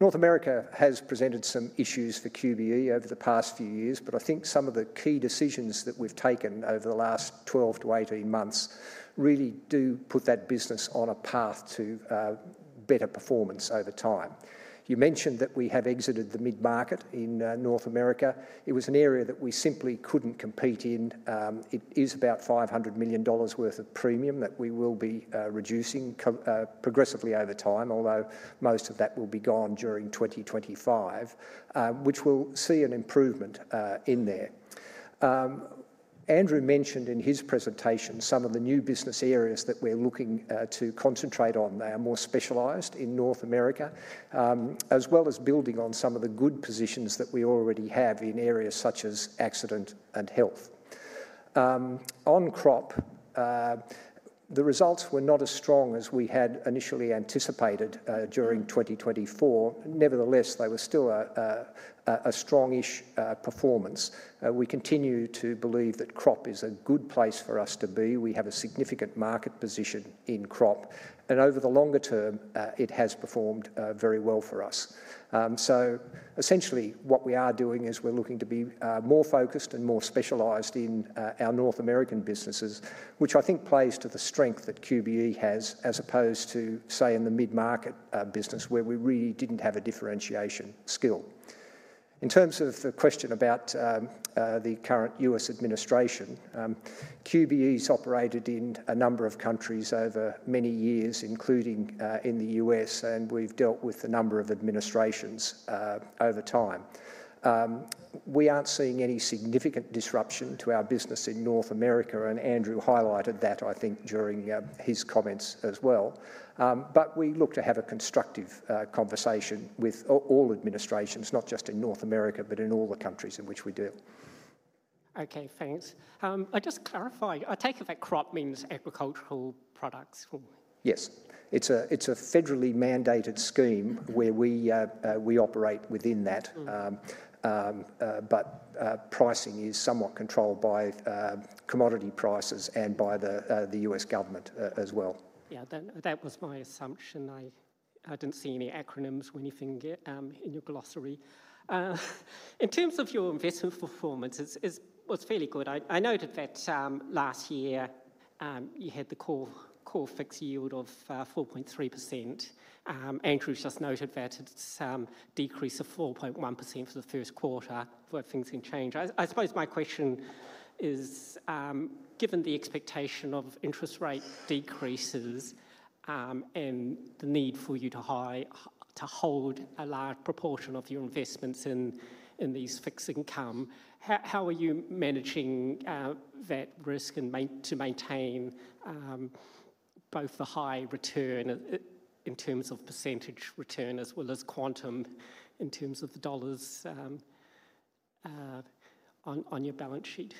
North America has presented some issues for QBE over the past few years, but I think some of the key decisions that we've taken over the last 12 to 18 months really do put that business on a path to better performance over time. You mentioned that we have exited the mid-market in North America. It was an area that we simply couldn't compete in. It is about $500 million worth of premium that we will be reducing progressively over time, although most of that will be gone during 2025, which we'll see an improvement in there. Andrew mentioned in his presentation some of the new business areas that we're looking to concentrate on. They are more specialized in North America, as well as building on some of the good positions that we already have in areas such as accident and health. On crop, the results were not as strong as we had initially anticipated during 2024. Nevertheless, they were still a strong-ish performance. We continue to believe that crop is a good place for us to be. We have a significant market position in crop, and over the longer term, it has performed very well for us. So essentially, what we are doing is we're looking to be more focused and more specialized in our North American businesses, which I think plays to the strength that QBE has as opposed to, say, in the mid-market business where we really didn't have a differentiation skill. In terms of the question about the current U.S. administration, QBE's operated in a number of countries over many years, including in the U.S., and we've dealt with a number of administrations over time. We aren't seeing any significant disruption to our business in North America, and Andrew highlighted that, I think, during his comments as well. But we look to have a constructive conversation with all administrations, not just in North America, but in all the countries in which we deal. Okay, thanks. I just clarify, I take it that crop means agricultural products? Yes. It's a federally mandated scheme where we operate within that, but pricing is somewhat controlled by commodity prices and by the U.S. government as well. Yeah, that was my assumption. I didn't see any acronyms or anything in your glossary. In terms of your investment performance, it was fairly good. I noted that last year you had the core fixed yield of 4.3%. Andrew just noted that it's decreased to 4.1% for the first quarter, where things can change. I suppose my question is, given the expectation of interest rate decreases and the need for you to hold a large proportion of your investments in these fixed income, how are you managing that risk to maintain both the high return in terms of percentage return as well as quantum in terms of the dollars on your balance sheet?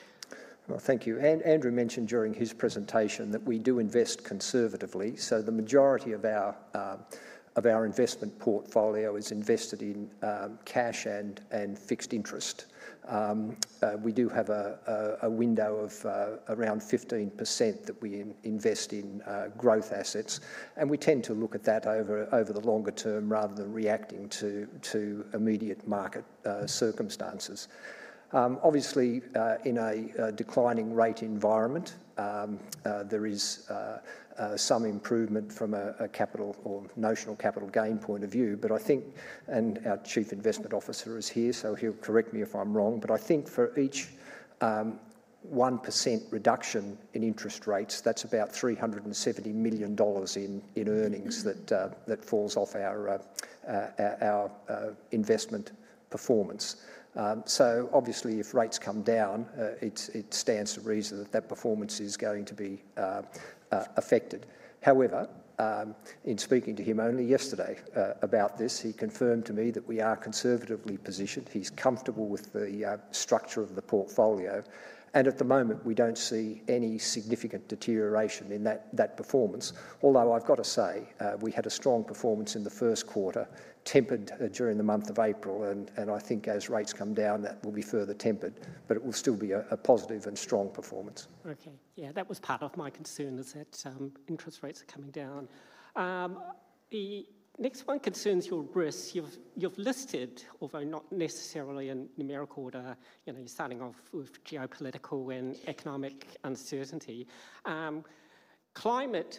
Well, thank you. Andrew mentioned during his presentation that we do invest conservatively. So the majority of our investment portfolio is invested in cash and fixed interest. We do have a window of around 15% that we invest in growth assets, and we tend to look at that over the longer term rather than reacting to immediate market circumstances. Obviously, in a declining rate environment, there is some improvement from a capital or notional capital gain point of view, but I think, and our Chief Investment Officer is here, so he'll correct me if I'm wrong, but I think for each 1% reduction in interest rates, that's about 370 million dollars in earnings that falls off our investment performance. So obviously, if rates come down, it stands to reason that that performance is going to be affected. However, in speaking to him only yesterday about this, he confirmed to me that we are conservatively positioned. He's comfortable with the structure of the portfolio, and at the moment, we don't see any significant deterioration in that performance. Although I've got to say, we had a strong performance in the first quarter, tempered during the month of April, and I think as rates come down, that will be further tempered, but it will still be a positive and strong performance. Okay, yeah, that was part of my concern, is that interest rates are coming down. The next one concerns your risks. You've listed, although not necessarily in numerical order, you're starting off with geopolitical and economic uncertainty. Climate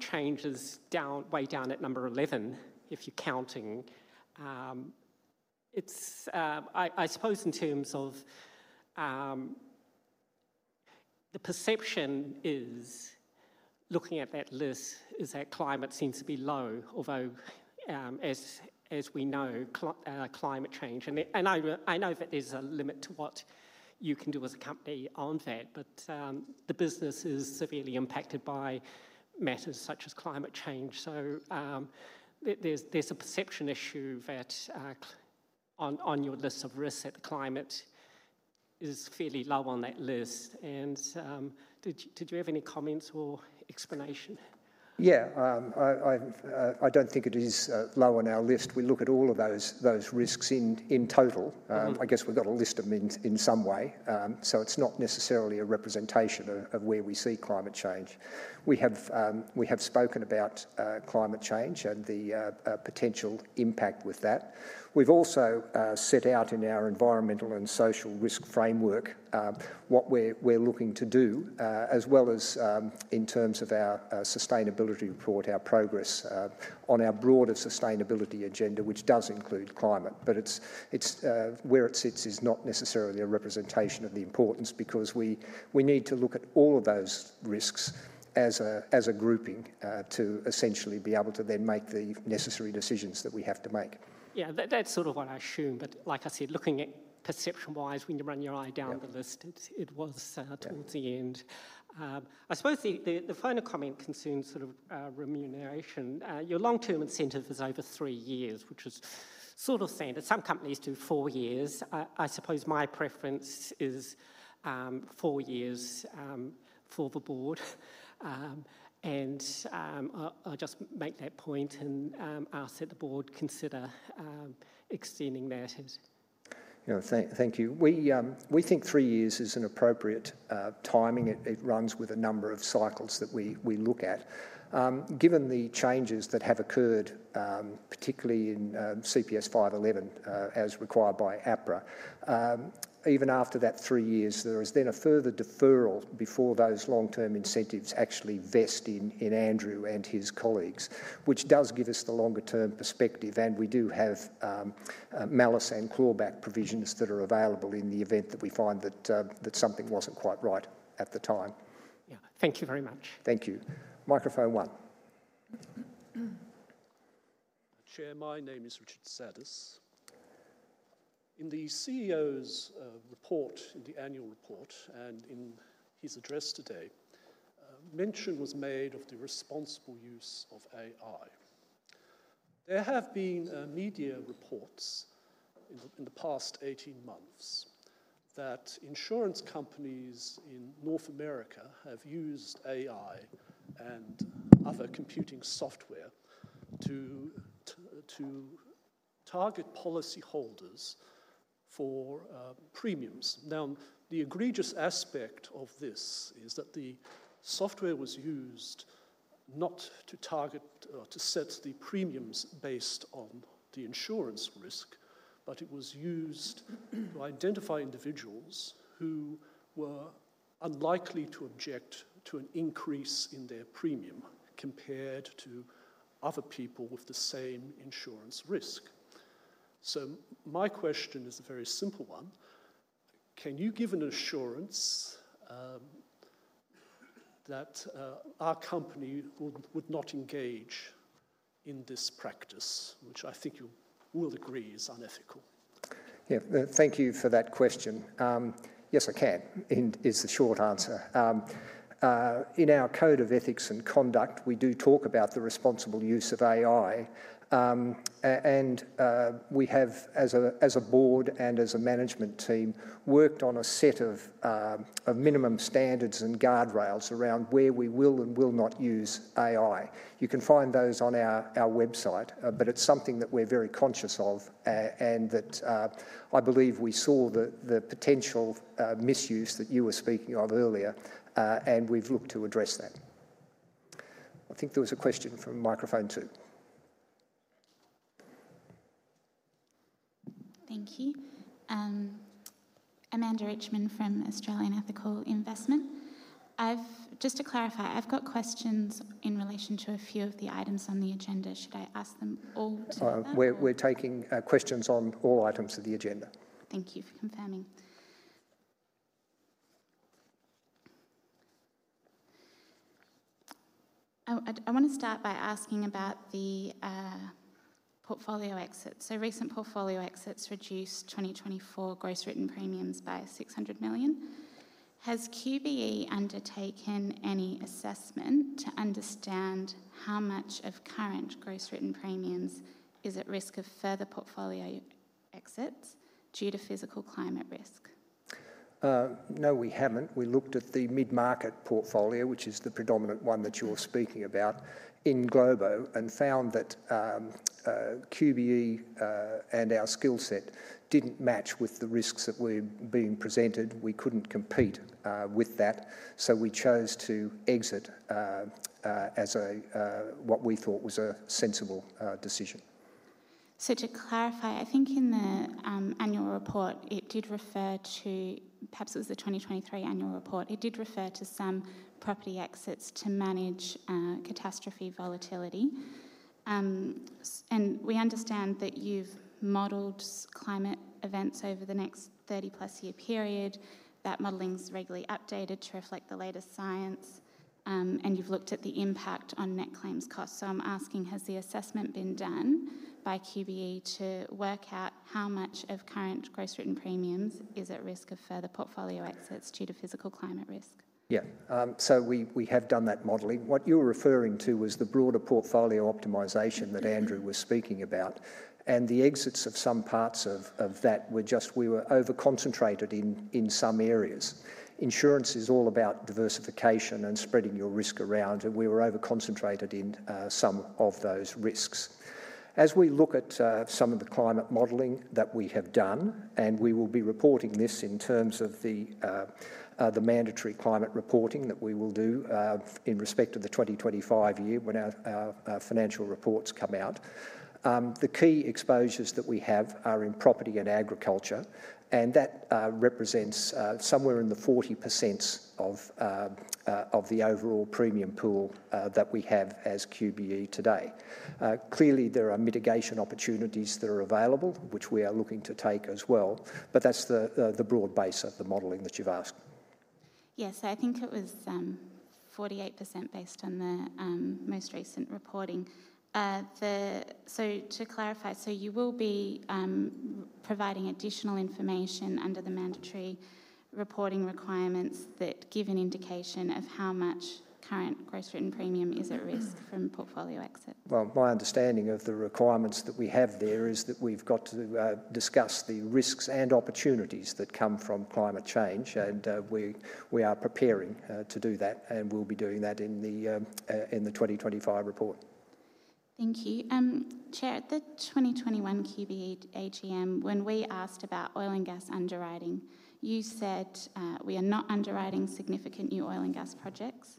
change is down way down at number 11, if you're counting. I suppose in terms of the perception is, looking at that list, is that climate seems to be low, although as we know, climate change, and I know that there's a limit to what you can do as a company on that, but the business is severely impacted by matters such as climate change. So, there's a perception issue that on your list of risks that climate is fairly low on that list. And did you have any comments or explanation? Yeah, I don't think it is low on our list. We look at all of those risks in total. I guess we've got a list of them in some way, so it's not necessarily a representation of where we see climate change. We have spoken about climate change and the potential impact with that. We've also set out in our Environmental and Social Risk Framework what we're looking to do, as well as in terms of our Sustainability Report, our progress on our broader sustainability agenda, which does include climate. But where it sits is not necessarily a representation of the importance because we need to look at all of those risks as a grouping to essentially be able to then make the necessary decisions that we have to make. Yeah, that's sort of what I assumed, but like I said, looking at perception-wise, when you run your eye down the list, it was towards the end. I suppose the final comment concerns sort of remuneration. Your long-term incentive is over three years, which is sort of saying that some companies do four years. I suppose my preference is four years for the board, and I'll just make that point and ask that the board consider extending that. Yeah, thank you. We think three years is an appropriate timing. It runs with a number of cycles that we look at. Given the changes that have occurred, particularly in CPS 511 as required by APRA, even after that three years, there is then a further deferral before those long-term incentives actually vest in Andrew and his colleagues, which does give us the longer-term perspective, and we do have malus and clawback provisions that are available in the event that we find that something wasn't quite right at the time. Yeah, thank you very much. Thank you. Microphone one. Chair, my name is Richard Sadus. In the CEO's report, in the annual report, and in his address today, mention was made of the responsible use of AI. There have been media reports in the past 18 months that insurance companies in North America have used AI and other computing software to target policyholders for premiums. Now, the egregious aspect of this is that the software was used not to target or to set the premiums based on the insurance risk, but it was used to identify individuals who were unlikely to object to an increase in their premium compared to other people with the same insurance risk. So my question is a very simple one. Can you give an assurance that our company would not engage in this practice, which I think you will agree is unethical? Yeah, thank you for that question. Yes, I can, is the short answer. In our code of ethics and conduct, we do talk about the responsible use of AI, and we have, as a board and as a management team, worked on a set of minimum standards and guardrails around where we will and will not use AI. You can find those on our website, but it's something that we're very conscious of and that I believe we saw the potential misuse that you were speaking of earlier, and we've looked to address that. I think there was a question from microphone two. Thank you. Amanda Richman from Australian Ethical Investment. Just to clarify, I've got questions in relation to a few of the items on the agenda. Should I ask them all? We're taking questions on all items of the agenda. Thank you for confirming. I want to start by asking about the portfolio exits. So recent portfolio exits reduced 2024 gross written premiums by 600 million. Has QBE undertaken any assessment to understand how much of current gross written premiums is at risk of further portfolio exits due to physical climate risk? No, we haven't. We looked at the mid-market portfolio, which is the predominant one that you're speaking about in Global, and found that QBE and our skill set didn't match with the risks that were being presented. We couldn't compete with that, so we chose to exit as what we thought was a sensible decision. So to clarify, I think in the annual report, it did refer to, perhaps it was the 2023 annual report, it did refer to some property exits to manage catastrophe volatility. We understand that you've modelled climate events over the next 30-plus year period. That modelling is regularly updated to reflect the latest science, and you've looked at the impact on net claims costs. So I'm asking, has the assessment been done by QBE to work out how much of current gross written premiums is at risk of further portfolio exits due to physical climate risk? Yeah, so we have done that modeling. What you were referring to was the broader portfolio optimization that Andrew was speaking about, and the exits of some parts of that were just, we were over-concentrated in some areas. Insurance is all about diversification and spreading your risk around, and we were over-concentrated in some of those risks. As we look at some of the climate modeling that we have done, and we will be reporting this in terms of the mandatory climate reporting that we will do in respect of the 2025 year when our financial reports come out, the key exposures that we have are in property and agriculture, and that represents somewhere in the 40% of the overall premium pool that we have as QBE today. Clearly, there are mitigation opportunities that are available, which we are looking to take as well, but that's the broad base of the modeling that you've asked. Yes, I think it was 48% based on the most recent reporting. So to clarify, you will be providing additional information under the mandatory reporting requirements that give an indication of how much current gross written premium is at risk from portfolio exits? Well, my understanding of the requirements that we have there is that we've got to discuss the risks and opportunities that come from climate change, and we are preparing to do that, and we'll be doing that in the 2025 report. Thank you. Chair, at the 2021 QBE AGM, when we asked about oil and gas underwriting, you said we are not underwriting significant new oil and gas projects.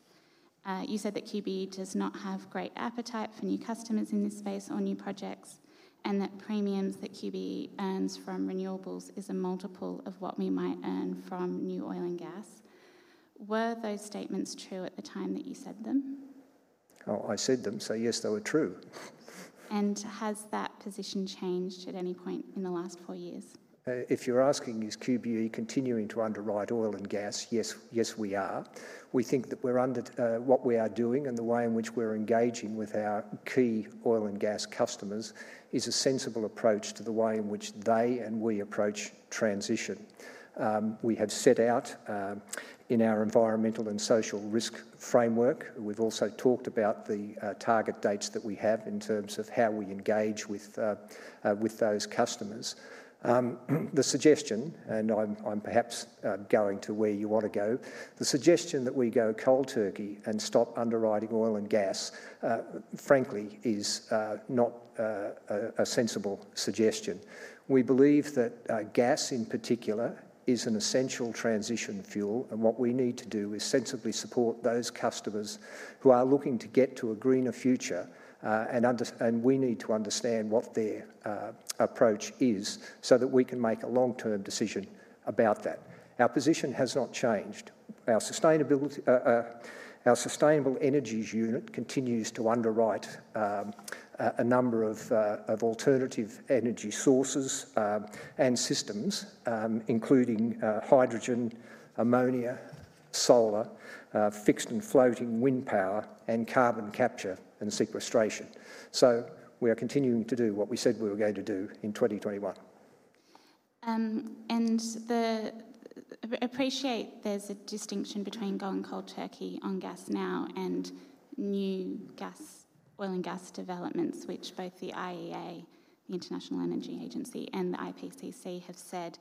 You said that QBE does not have great appetite for new customers in this space or new projects, and that premiums that QBE earns from renewables is a multiple of what we might earn from new oil and gas. Were those statements true at the time that you said them? Oh, I said them, so yes, they were true. And has that position changed at any point in the last four years? If you're asking, is QBE continuing to underwrite oil and gas? Yes, yes, we are. We think that what we are doing and the way in which we're engaging with our key oil and gas customers is a sensible approach to the way in which they and we approach transition. We have set out in our Environmental and Social Risk Framework. We've also talked about the target dates that we have in terms of how we engage with those customers. The suggestion, and I'm perhaps going to where you want to go, the suggestion that we go cold turkey and stop underwriting oil and gas, frankly, is not a sensible suggestion. We believe that gas in particular is an essential transition fuel, and what we need to do is sensibly support those customers who are looking to get to a greener future, and we need to understand what their approach is so that we can make a long-term decision about that. Our position has not changed. Our Sustainable Energies unit continues to underwrite a number of alternative energy sources and systems, including hydrogen, ammonia, solar, fixed and floating wind power, and carbon capture and sequestration, so we are continuing to do what we said we were going to do in 2021. I appreciate there's a distinction between going cold turkey on gas now and new gas, oil and gas developments, which both the IEA, the International Energy Agency, and the IPCC have said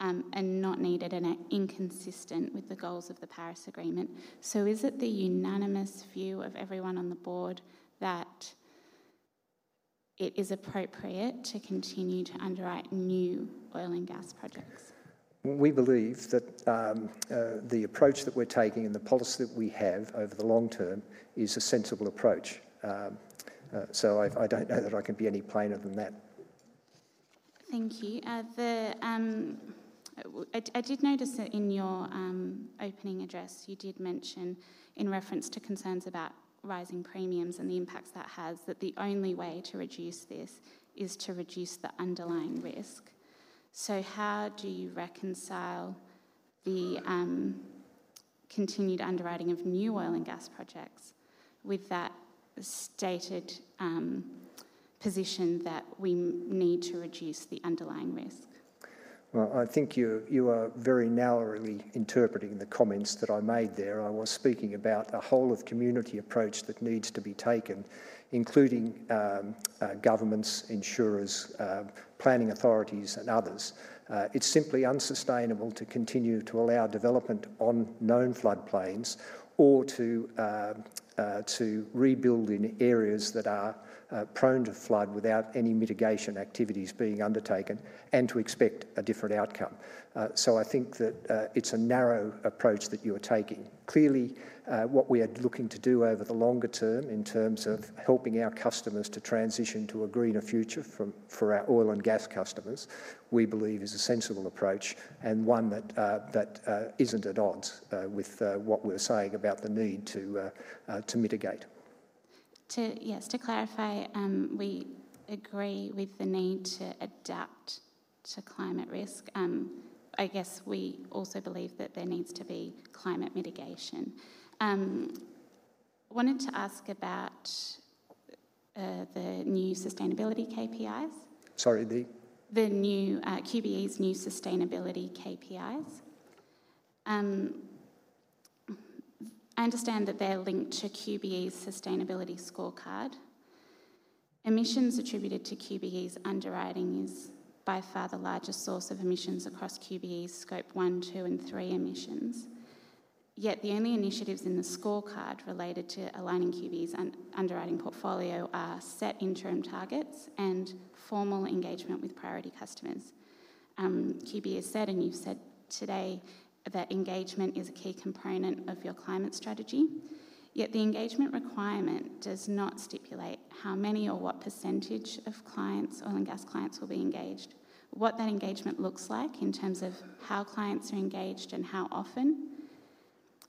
are not needed and are inconsistent with the goals of the Paris Agreement. So is it the unanimous view of everyone on the board that it is appropriate to continue to underwrite new oil and gas projects? We believe that the approach that we're taking and the policy that we have over the long term is a sensible approach. So I don't know that I can be any plainer than that. Thank you. I did notice that in your opening address, you did mention in reference to concerns about rising premiums and the impacts that has that the only way to reduce this is to reduce the underlying risk. So how do you reconcile the continued underwriting of new oil and gas projects with that stated position that we need to reduce the underlying risk? Well, I think you are very narrowly interpreting the comments that I made there. I was speaking about a whole-of-community approach that needs to be taken, including governments, insurers, planning authorities, and others. It's simply unsustainable to continue to allow development on known floodplains or to rebuild in areas that are prone to flood without any mitigation activities being undertaken and to expect a different outcome. So I think that it's a narrow approach that you are taking. Clearly, what we are looking to do over the longer term in terms of helping our customers to transition to a greener future for our oil and gas customers, we believe is a sensible approach and one that isn't at odds with what we're saying about the need to mitigate. Yes, to clarify, we agree with the need to adapt to climate risk. I guess we also believe that there needs to be climate mitigation. I wanted to ask about the new sustainability KPIs. The QBE's new sustainability KPIs. I understand that they're linked to QBE's Sustainability Scorecard. Emissions attributed to QBE's underwriting is by far the largest source of emissions across QBE's Scope 1, 2, and 3 emissions. Yet the only initiatives in the scorecard related to aligning QBE's underwriting portfolio are set interim targets and formal engagement with priority customers. QBE has said, and you've said today, that engagement is a key component of your climate strategy. Yet the engagement requirement does not stipulate how many or what percentage of clients, oil and gas clients, will be engaged, what that engagement looks like in terms of how clients are engaged and how often.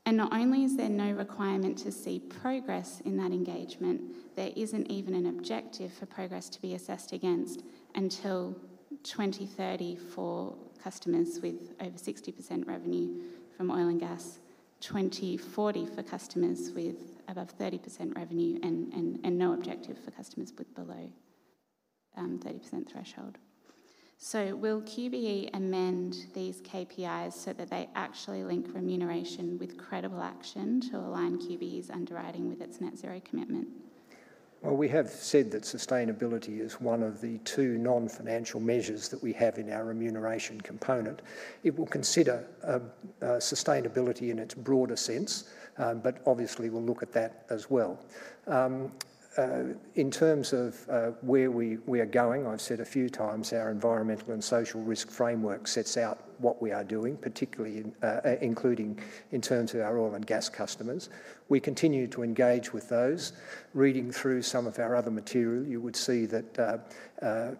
And not only is there no requirement to see progress in that engagement, there isn't even an objective for progress to be assessed against until 2030 for customers with over 60% revenue from oil and gas, 2040 for customers with above 30% revenue, and no objective for customers with below 30% threshold. So will QBE amend these KPIs so that they actually link remuneration with credible action to align QBE's underwriting with its net zero commitment? Well, we have said that sustainability is one of the two non-financial measures that we have in our remuneration component. It will consider sustainability in its broader sense, but obviously we'll look at that as well. In terms of where we are going, I've said a few times our Environmental and Social Risk Framework sets out what we are doing, particularly including in terms of our oil and gas customers. We continue to engage with those. Reading through some of our other material, you would see that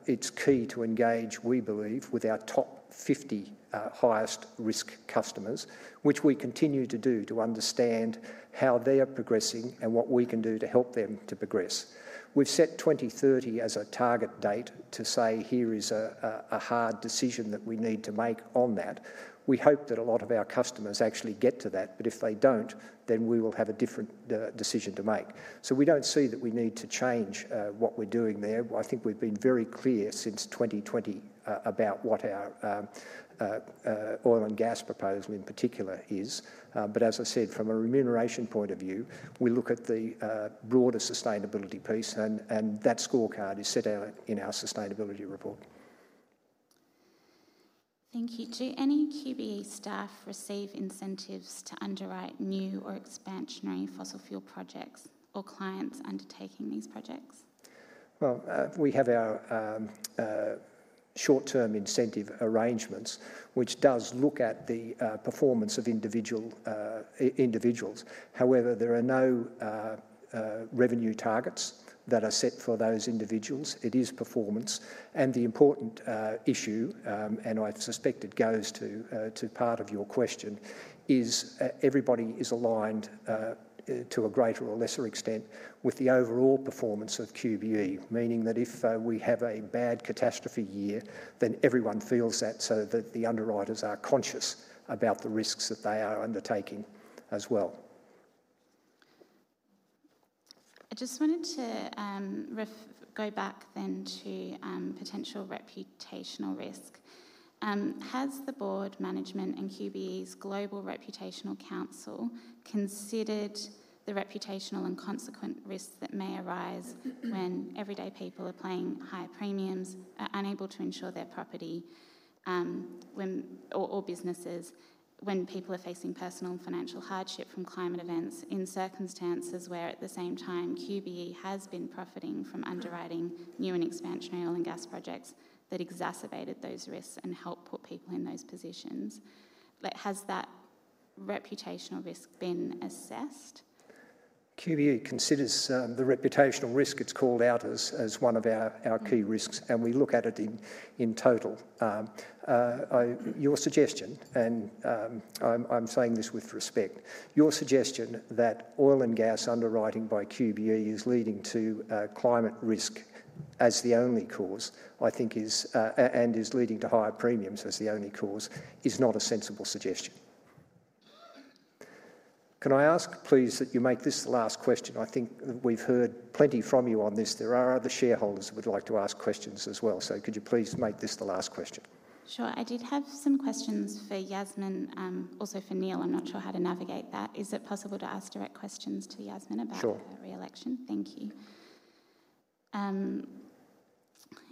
it's key to engage, we believe, with our top 50 highest risk customers, which we continue to do to understand how they are progressing and what we can do to help them to progress. We've set 2030 as a target date to say, "Here is a hard decision that we need to make on that." We hope that a lot of our customers actually get to that, but if they don't, then we will have a different decision to make. We don't see that we need to change what we're doing there. I think we've been very clear since 2020 about what our oil and gas policy in particular is. But as I said, from a remuneration point of view, we look at the broader sustainability piece, and that scorecard is set out in our sustainability report. Thank you. Do any QBE staff receive incentives to underwrite new or expansionary fossil fuel projects or clients undertaking these projects? Well, we have our short-term incentive arrangements, which does look at the performance of individuals. However, there are no revenue targets that are set for those individuals. It is performance. The important issue, and I suspect it goes to part of your question, is everybody is aligned to a greater or lesser extent with the overall performance of QBE, meaning that if we have a bad catastrophe year, then everyone feels that so that the underwriters are conscious about the risks that they are undertaking as well. I just wanted to go back then to potential reputational risk. Has the board management and QBE's Global Reputational Council considered the reputational and consequent risks that may arise when everyday people are paying higher premiums, are unable to insure their property or businesses when people are facing personal and financial hardship from climate events in circumstances where at the same time QBE has been profiting from underwriting new and expansionary oil and gas projects that exacerbated those risks and helped put people in those positions? Has that reputational risk been assessed? QBE considers the reputational risk it's called out as one of our key risks, and we look at it in total. Your suggestion, and I'm saying this with respect, your suggestion that oil and gas underwriting by QBE is leading to climate risk as the only cause, I think, and is leading to higher premiums as the only cause is not a sensible suggestion. Can I ask, please, that you make this the last question? I think we've heard plenty from you on this. There are other shareholders who would like to ask questions as well. So could you please make this the last question? Sure. I did have some questions for Yasmin, also for Neil. I'm not sure how to navigate that. Is it possible to ask direct questions to Yasmin about re-election? Sure. Thank you.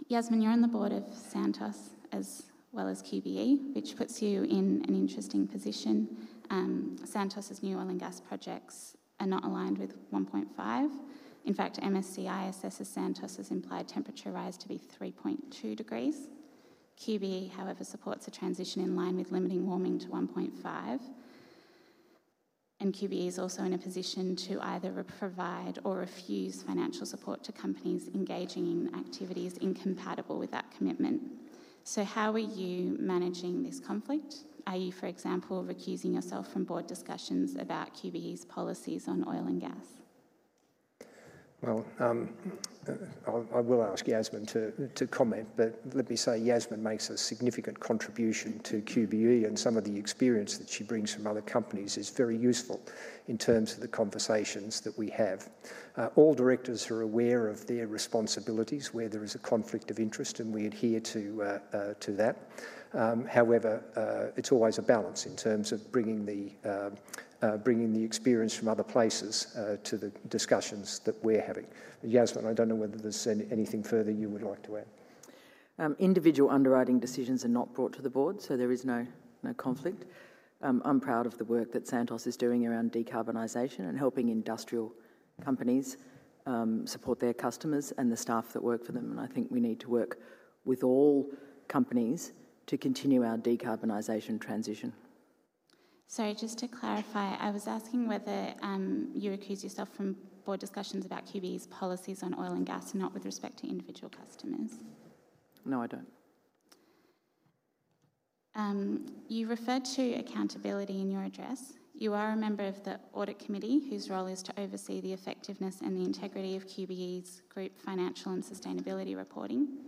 Yasmin, you're on the board of Santos as well as QBE, which puts you in an interesting position. Santos's new oil and gas projects are not aligned with 1.5. In fact, MSCI assesses Santos's implied temperature rise to be 3.2 degrees. QBE, however, supports a transition in line with limiting warming to 1.5. And QBE is also in a position to either provide or refuse financial support to companies engaging in activities incompatible with that commitment. So how are you managing this conflict? Are you, for example, recusing yourself from board discussions about QBE's policies on oil and gas? Well, I will ask Yasmin to comment, but let me say Yasmin makes a significant contribution to QBE, and some of the experience that she brings from other companies is very useful in terms of the conversations that we have. All directors are aware of their responsibilities where there is a conflict of interest, and we adhere to that. However, it's always a balance in terms of bringing the experience from other places to the discussions that we're having. Yasmin, I don't know whether there's anything further you would like to add. Individual underwriting decisions are not brought to the board, so there is no conflict. I'm proud of the work that Santos is doing around decarbonization and helping industrial companies support their customers and the staff that work for them, and I think we need to work with all companies to continue our decarbonization transition. Sorry, just to clarify, I was asking whether you recuse yourself from board discussions about QBE's policies on oil and gas and not with respect to individual customers. No, I don't. You referred to accountability in your address. You are a member of the audit committee whose role is to oversee the effectiveness and the integrity of QBE's group financial and sustainability reporting.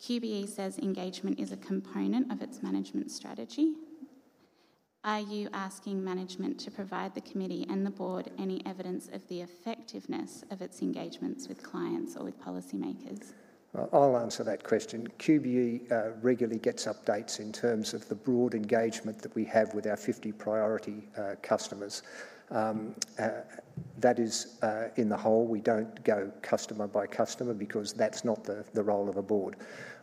QBE says engagement is a component of its management strategy. Are you asking management to provide the committee and the board any evidence of the effectiveness of its engagements with clients or with policymakers? I'll answer that question. QBE regularly gets updates in terms of the broad engagement that we have with our 50 priority customers. That is in the whole. We don't go customer by customer because that's not the role of a board.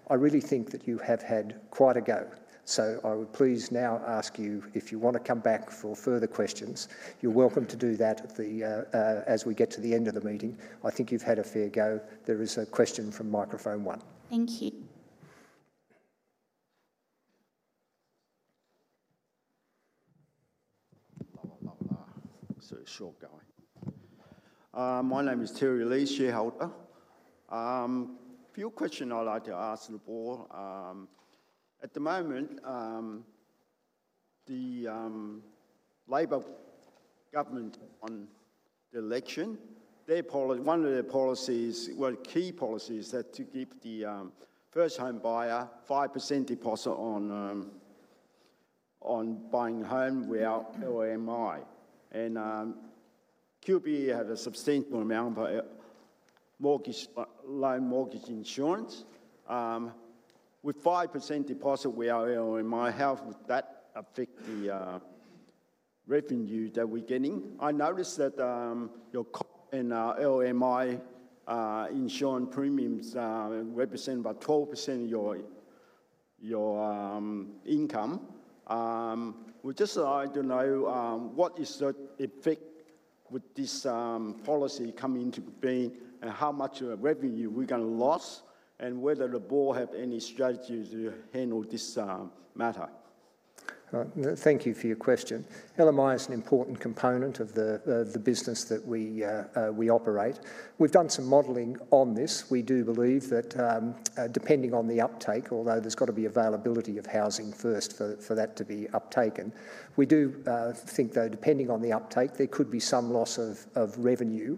I really think that you have had quite a go. So I would please now ask you if you want to come back for further questions. You're welcome to do that as we get to the end of the meeting. I think you've had a fair go. There is a question from microphone one. Thank you. So short go. My name is Terry Lee, shareholder. A few questions I'd like to ask the board. At the moment, the Labor government on the election, one of their policies, one of the key policies is to give the first home buyer a 5% deposit on buying a home without LMI. And QBE had a substantial amount of lenders mortgage insurance. With 5% deposit without LMI, how would that affect the revenue that we're getting? I noticed that your LMI insurance premiums represent about 12% of your income. I just want to know what is the effect with this policy coming into being and how much revenue we're going to lose and whether the board has any strategy to handle this matter. Thank you for your question. LMI is an important component of the business that we operate. We've done some modeling on this. We do believe that depending on the uptake, although there's got to be availability of housing first for that to be uptaken, we do think that depending on the uptake, there could be some loss of revenue,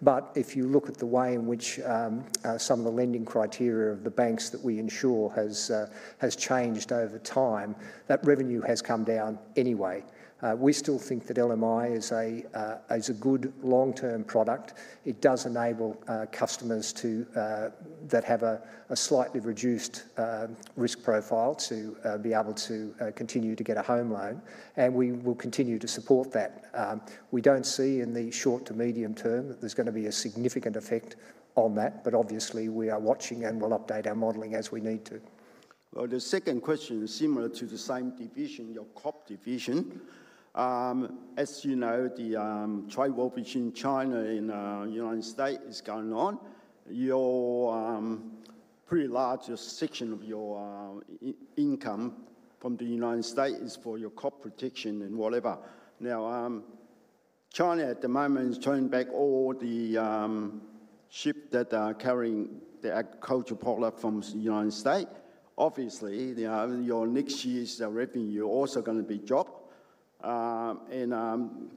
but if you look at the way in which some of the lending criteria of the banks that we insure has changed over time, that revenue has come down anyway. We still think that LMI is a good long-term product. It does enable customers that have a slightly reduced risk profile to be able to continue to get a home loan, and we will continue to support that. We don't see in the short to medium term that there's going to be a significant effect on that, but obviously we are watching and we'll update our modeling as we need to. The second question is similar to the same division, your Crop division. As you know, the trade war between China and the United States is going on. A pretty large section of your income from the United States is for your Crop protection and whatever. Now, China at the moment is turning back all the ships that are carrying the agricultural product from the United States. Obviously, your next year's revenue is also going to be dropped. And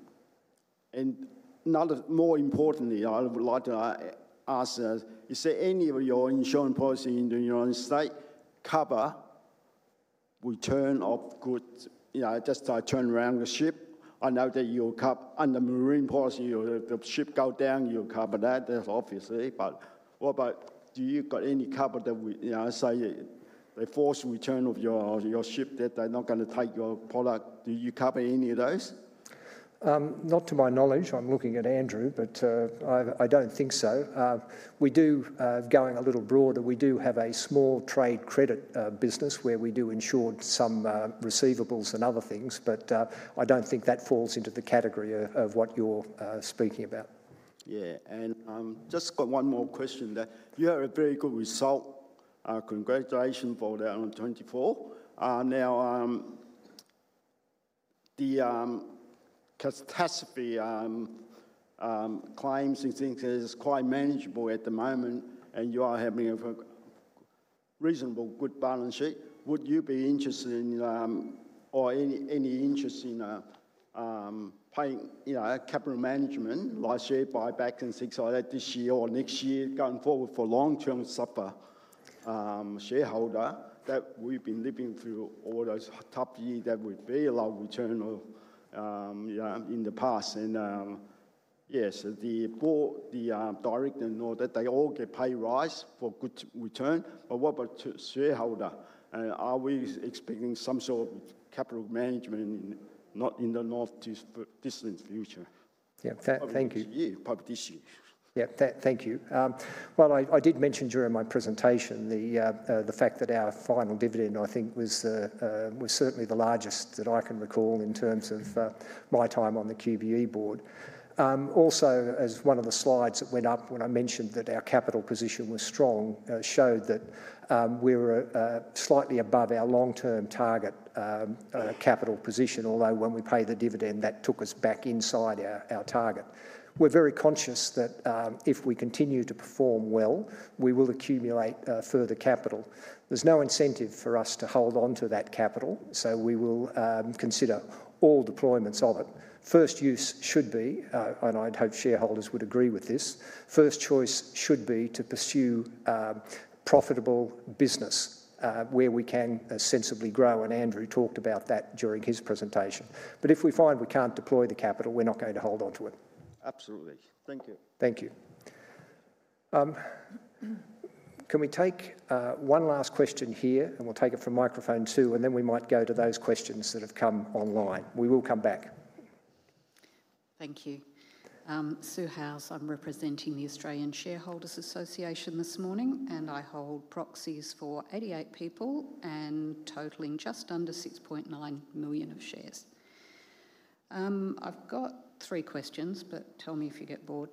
more importantly, I would like to ask, is there any of your insurance policies in the United States cover return of goods? Just turn around the ship. I know that you'll cover under marine policy, if the ship goes down, you'll cover that, obviously. But what about, do you got any cover that, say, the forced return of your ship that they're not going to take your product? Do you cover any of those? Not to my knowledge. I'm looking at Andrew, but I don't think so. Going a little broader, we do have a small trade credit business where we do insure some receivables and other things, but I don't think that falls into the category of what you're speaking about. Yeah. And I've just got one more question. You have a very good result. Congratulations for the 2024. Now, the catastrophe claims and things are quite manageable at the moment, and you are having a reasonable good balance sheet. Would you be interested in, or any interest in paying capital management, like share buybacks and things like that this year or next year going forward for long-term supply shareholder that we've been living through all those tough years that we've been a lot of return in the past? Yes, the board, the director, they all get pay raise for good return. But what about shareholder? Are we expecting some sort of capital management in the not too distant future? Yeah. Thank you. Probably this year. Yeah. Thank you. I did mention during my presentation the fact that our final dividend, I think, was certainly the largest that I can recall in terms of my time on the QBE board. Also, as one of the slides that went up when I mentioned that our capital position was strong, showed that we were slightly above our long-term target capital position, although when we paid the dividend, that took us back inside our target. We're very conscious that if we continue to perform well, we will accumulate further capital. There's no incentive for us to hold on to that capital, so we will consider all deployments of it. First use should be, and I'd hope shareholders would agree with this, first choice should be to pursue profitable business where we can sensibly grow. And Andrew talked about that during his presentation. But if we find we can't deploy the capital, we're not going to hold on to it. Absolutely. Thank you. Thank you. Can we take one last question here? And we'll take it from microphone two, and then we might go to those questions that have come online. We will come back. Thank you. Sue Howes, I'm representing the Australian Shareholders' Association this morning, and I hold proxies for 88 people and totaling just under 6.9 million of shares. I've got three questions, but tell me if you get bored.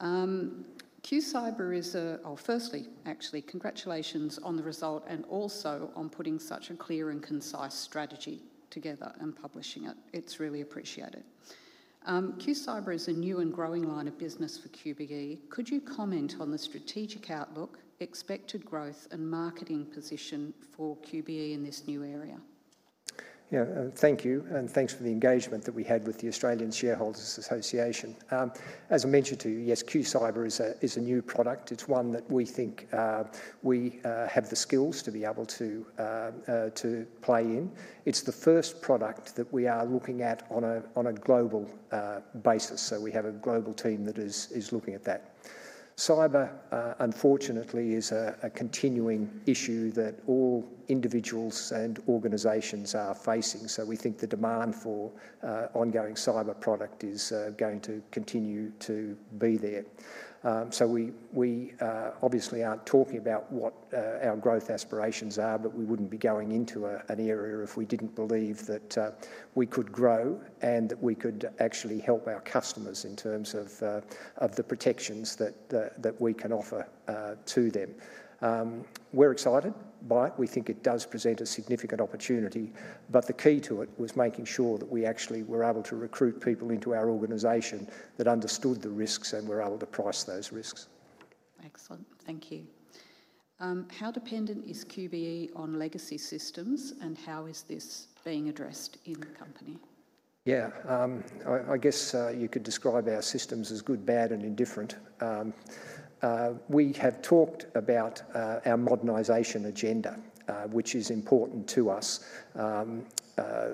QCyber is a, well, firstly, actually, congratulations on the result and also on putting such a clear and concise strategy together and publishing it. It's really appreciated. Cyber is a new and growing line of business for QBE. Could you comment on the strategic outlook, expected growth, and marketing position for QBE in this new area? Yeah. Thank you. And thanks for the engagement that we had with the Australian Shareholders' Association. As I mentioned to you, yes, QCyber is a new product. It's one that we think we have the skills to be able to play in. It's the first product that we are looking at on a global basis. So we have a global team that is looking at that. Cyber, unfortunately, is a continuing issue that all individuals and organizations are facing. So we think the demand for ongoing cyber product is going to continue to be there. So we obviously aren't talking about what our growth aspirations are, but we wouldn't be going into an area if we didn't believe that we could grow and that we could actually help our customers in terms of the protections that we can offer to them. We're excited by it. We think it does present a significant opportunity. But the key to it was making sure that we actually were able to recruit people into our organization that understood the risks and were able to price those risks. Excellent. Thank you. How dependent is QBE on legacy systems, and how is this being addressed in the company? Yeah. I guess you could describe our systems as good, bad, and indifferent. We have talked about our modernization agenda, which is important to us.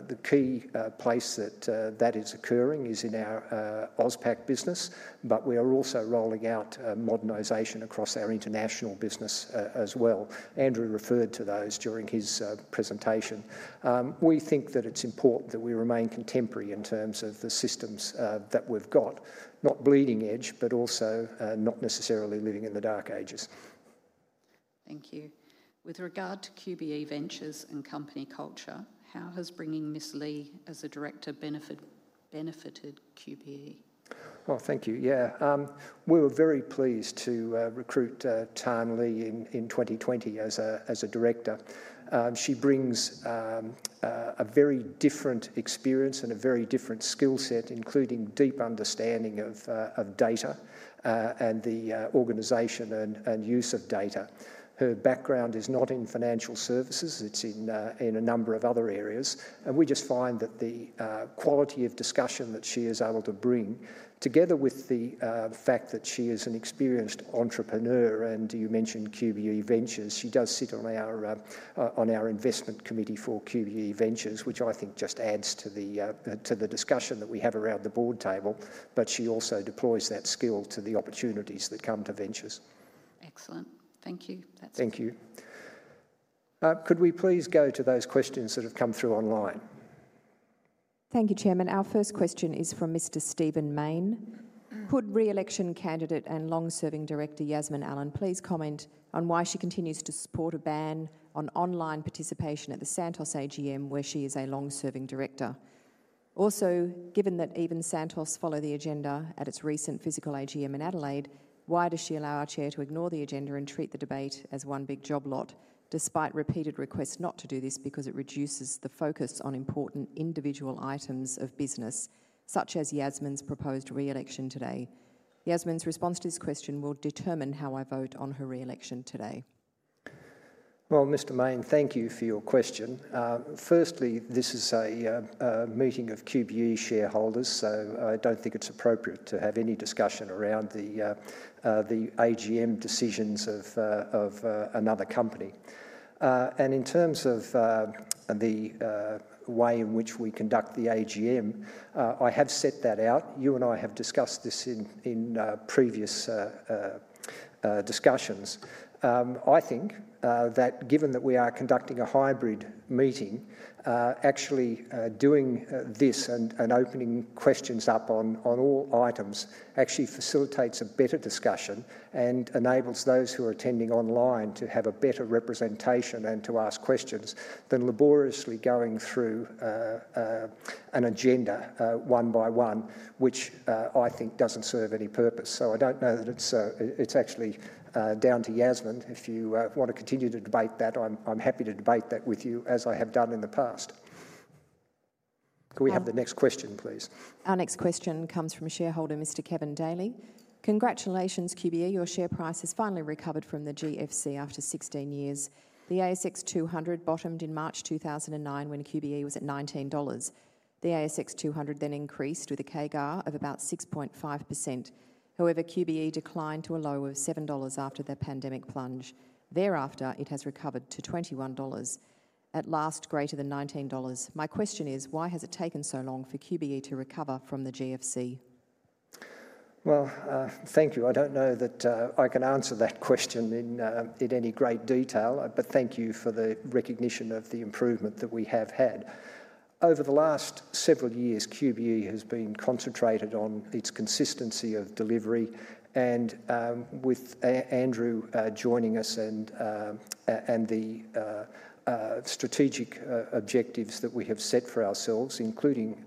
The key place that that is occurring is in our AusPac business, but we are also rolling out modernization across our international business as well. Andrew referred to those during his presentation. We think that it's important that we remain contemporary in terms of the systems that we've got, not bleeding edge, but also not necessarily living in the dark ages. Thank you. With regard to QBE Ventures and company culture, how has bringing Ms. Le as a director benefited QBE? Well, thank you. Yeah. We were very pleased to recruit Tan Le in 2020 as a director. She brings a very different experience and a very different skill set, including deep understanding of data and the organization and use of data. Her background is not in financial services. It's in a number of other areas. We just find that the quality of discussion that she is able to bring, together with the fact that she is an experienced entrepreneur, and you mentioned QBE Ventures, she does sit on our investment committee for QBE Ventures, which I think just adds to the discussion that we have around the board table. But she also deploys that skill to the opportunities that come to ventures. Excellent. Thank you. Thank you. Could we please go to those questions that have come through online? Thank you, Chairman. Our first question is from Mr. Stephen Mayne. Could re-election candidate and long-serving director Yasmin Allen please comment on why she continues to support a ban on online participation at the Santos AGM, where she is a long-serving director? Also, given that even Santos follow the agenda at its recent physical AGM in Adelaide, why does she allow our chair to ignore the agenda and treat the debate as one big job lot, despite repeated requests not to do this because it reduces the focus on important individual items of business, such as Yasmin's proposed re-election today? Yasmin's response to this question will determine how I vote on her re-election today. Well, Mr. Mayne, thank you for your question. Firstly, this is a meeting of QBE shareholders, so I don't think it's appropriate to have any discussion around the AGM decisions of another company. And in terms of the way in which we conduct the AGM, I have set that out. You and I have discussed this in previous discussions. I think that given that we are conducting a hybrid meeting, actually doing this and opening questions up on all items actually facilitates a better discussion and enables those who are attending online to have a better representation and to ask questions than laboriously going through an agenda one by one, which I think doesn't serve any purpose. So I don't know that it's actually down to Yasmin. If you want to continue to debate that, I'm happy to debate that with you, as I have done in the past. Can we have the next question, please? Our next question comes from shareholder Mr. Kevin Daly. Congratulations, QBE. Your share price has finally recovered from the GFC after 16 years. The ASX 200 bottomed in March 2009 when QBE was at 19 dollars. The ASX 200 then increased with a CAGR of about 6.5%. However, QBE declined to a low of $7 after the pandemic plunge. Thereafter, it has recovered to $21, at least greater than $19. My question is, why has it taken so long for QBE to recover from the GFC? Well, thank you. I don't know that I can answer that question in any great detail, but thank you for the recognition of the improvement that we have had. Over the last several years, QBE has been concentrated on its consistency of delivery. And with Andrew joining us and the strategic objectives that we have set for ourselves, including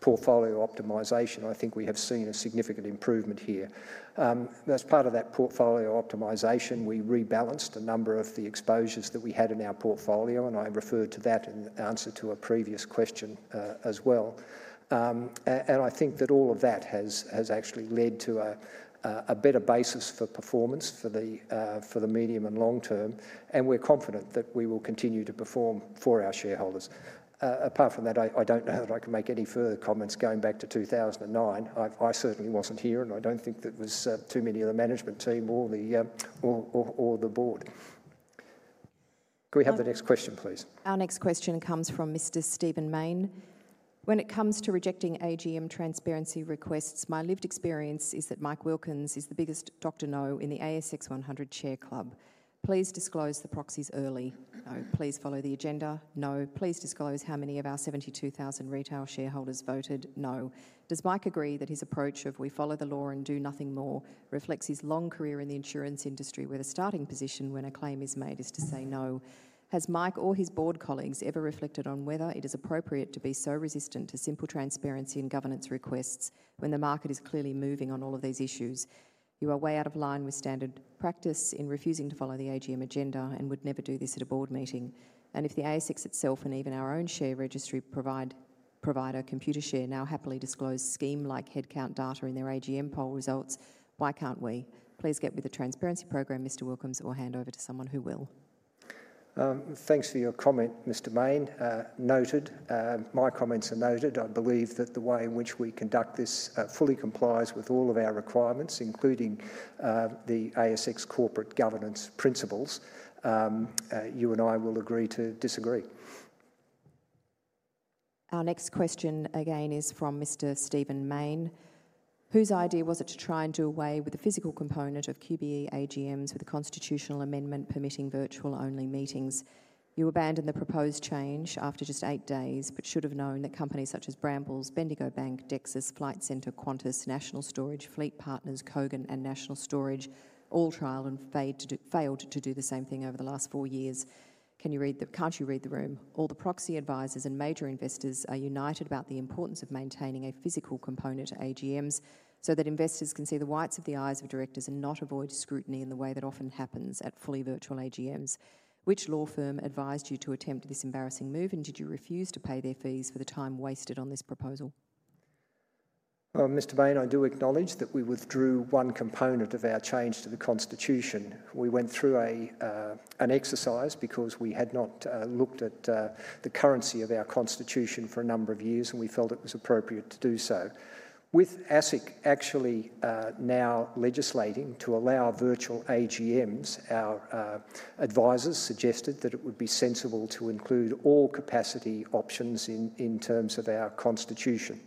portfolio optimization, I think we have seen a significant improvement here. As part of that portfolio optimization, we rebalanced a number of the exposures that we had in our portfolio, and I referred to that in answer to a previous question as well. And I think that all of that has actually led to a better basis for performance for the medium and long term, and we're confident that we will continue to perform for our shareholders. Apart from that, I don't know that I can make any further comments going back to 2009. I certainly wasn't here, and I don't think there was too many of the management team or the board. Could we have the next question, please? Our next question comes from Mr. Stephen Mayne. When it comes to rejecting AGM transparency requests, my lived experience is that Mike Wilkins is the biggest Dr. No in the ASX 100 share club. Please disclose the proxies early. No. Please follow the agenda. No. Please disclose how many of our 72,000 retail shareholders voted. No. Does Mike agree that his approach of we follow the law and do nothing more reflects his long career in the insurance industry, where the starting position when a claim is made is to say no? Has Mike or his board colleagues ever reflected on whether it is appropriate to be so resistant to simple transparency and governance requests when the market is clearly moving on all of these issues? You are way out of line with standard practice in refusing to follow the AGM agenda and would never do this at a board meeting. If the ASX itself and even our own share registry provider Computershare now happily disclose scheme-like headcount data in their AGM poll results, why can't we? Please get with the transparency program, Mr. Wilkins, or hand over to someone who will. Thanks for your comment, Mr. Mayne. Noted. My comments are noted. I believe that the way in which we conduct this fully complies with all of our requirements, including the ASX corporate governance principles. You and I will agree to disagree. Our next question again is from Mr. Stephen Mayne. Whose idea was it to try and do away with the physical component of QBE AGMs with a constitutional amendment permitting virtual-only meetings? You abandoned the proposed change after just eight days, but should have known that companies such as Brambles, Bendigo Bank, Dexus, Flight Centre, Qantas, National Storage, Fleet Partners, Kogan, and National Storage all tried and failed to do the same thing over the last four years. Can you read the - can't you read the room? All the proxy advisors and major investors are united about the importance of maintaining a physical component to AGMs so that investors can see the whites of the eyes of directors and not avoid scrutiny in the way that often happens at fully virtual AGMs. Which law firm advised you to attempt this embarrassing move, and did you refuse to pay their fees for the time wasted on this proposal? Mr. Mayne, I do acknowledge that we withdrew one component of our change to the constitution. We went through an exercise because we had not looked at the currency of our constitution for a number of years, and we felt it was appropriate to do so. With ASIC actually now legislating to allow virtual AGMs, our advisors suggested that it would be sensible to include all capacity options in terms of our constitution.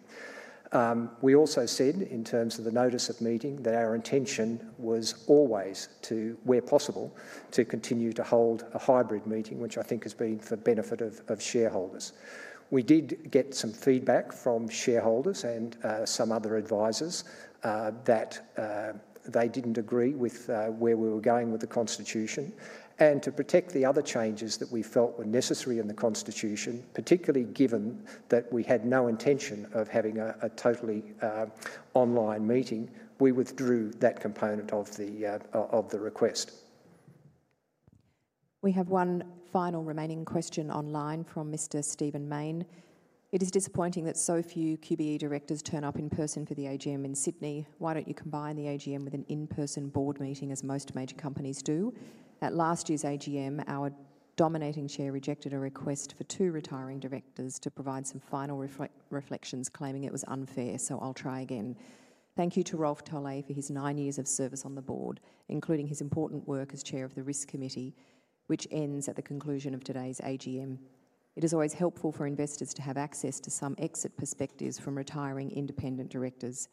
We also said, in terms of the notice of meeting, that our intention was always to, where possible, continue to hold a hybrid meeting, which I think has been for the benefit of shareholders. We did get some feedback from shareholders and some other advisors that they didn't agree with where we were going with the constitution. And to protect the other changes that we felt were necessary in the constitution, particularly given that we had no intention of having a totally online meeting, we withdrew that component of the request. We have one final remaining question online from Mr. Stephen Mayne. It is disappointing that so few QBE directors turn up in person for the AGM in Sydney. Why don't you combine the AGM with an in-person board meeting, as most major companies do? At last year's AGM, our domineering chair rejected a request for two retiring directors to provide some final reflections, claiming it was unfair, so I'll try again. Thank you to Rolf Tolle for his nine years of service on the board, including his important work as chair of the risk committee, which ends at the conclusion of today's AGM. It is always helpful for investors to have access to some exit perspectives from retiring independent directors.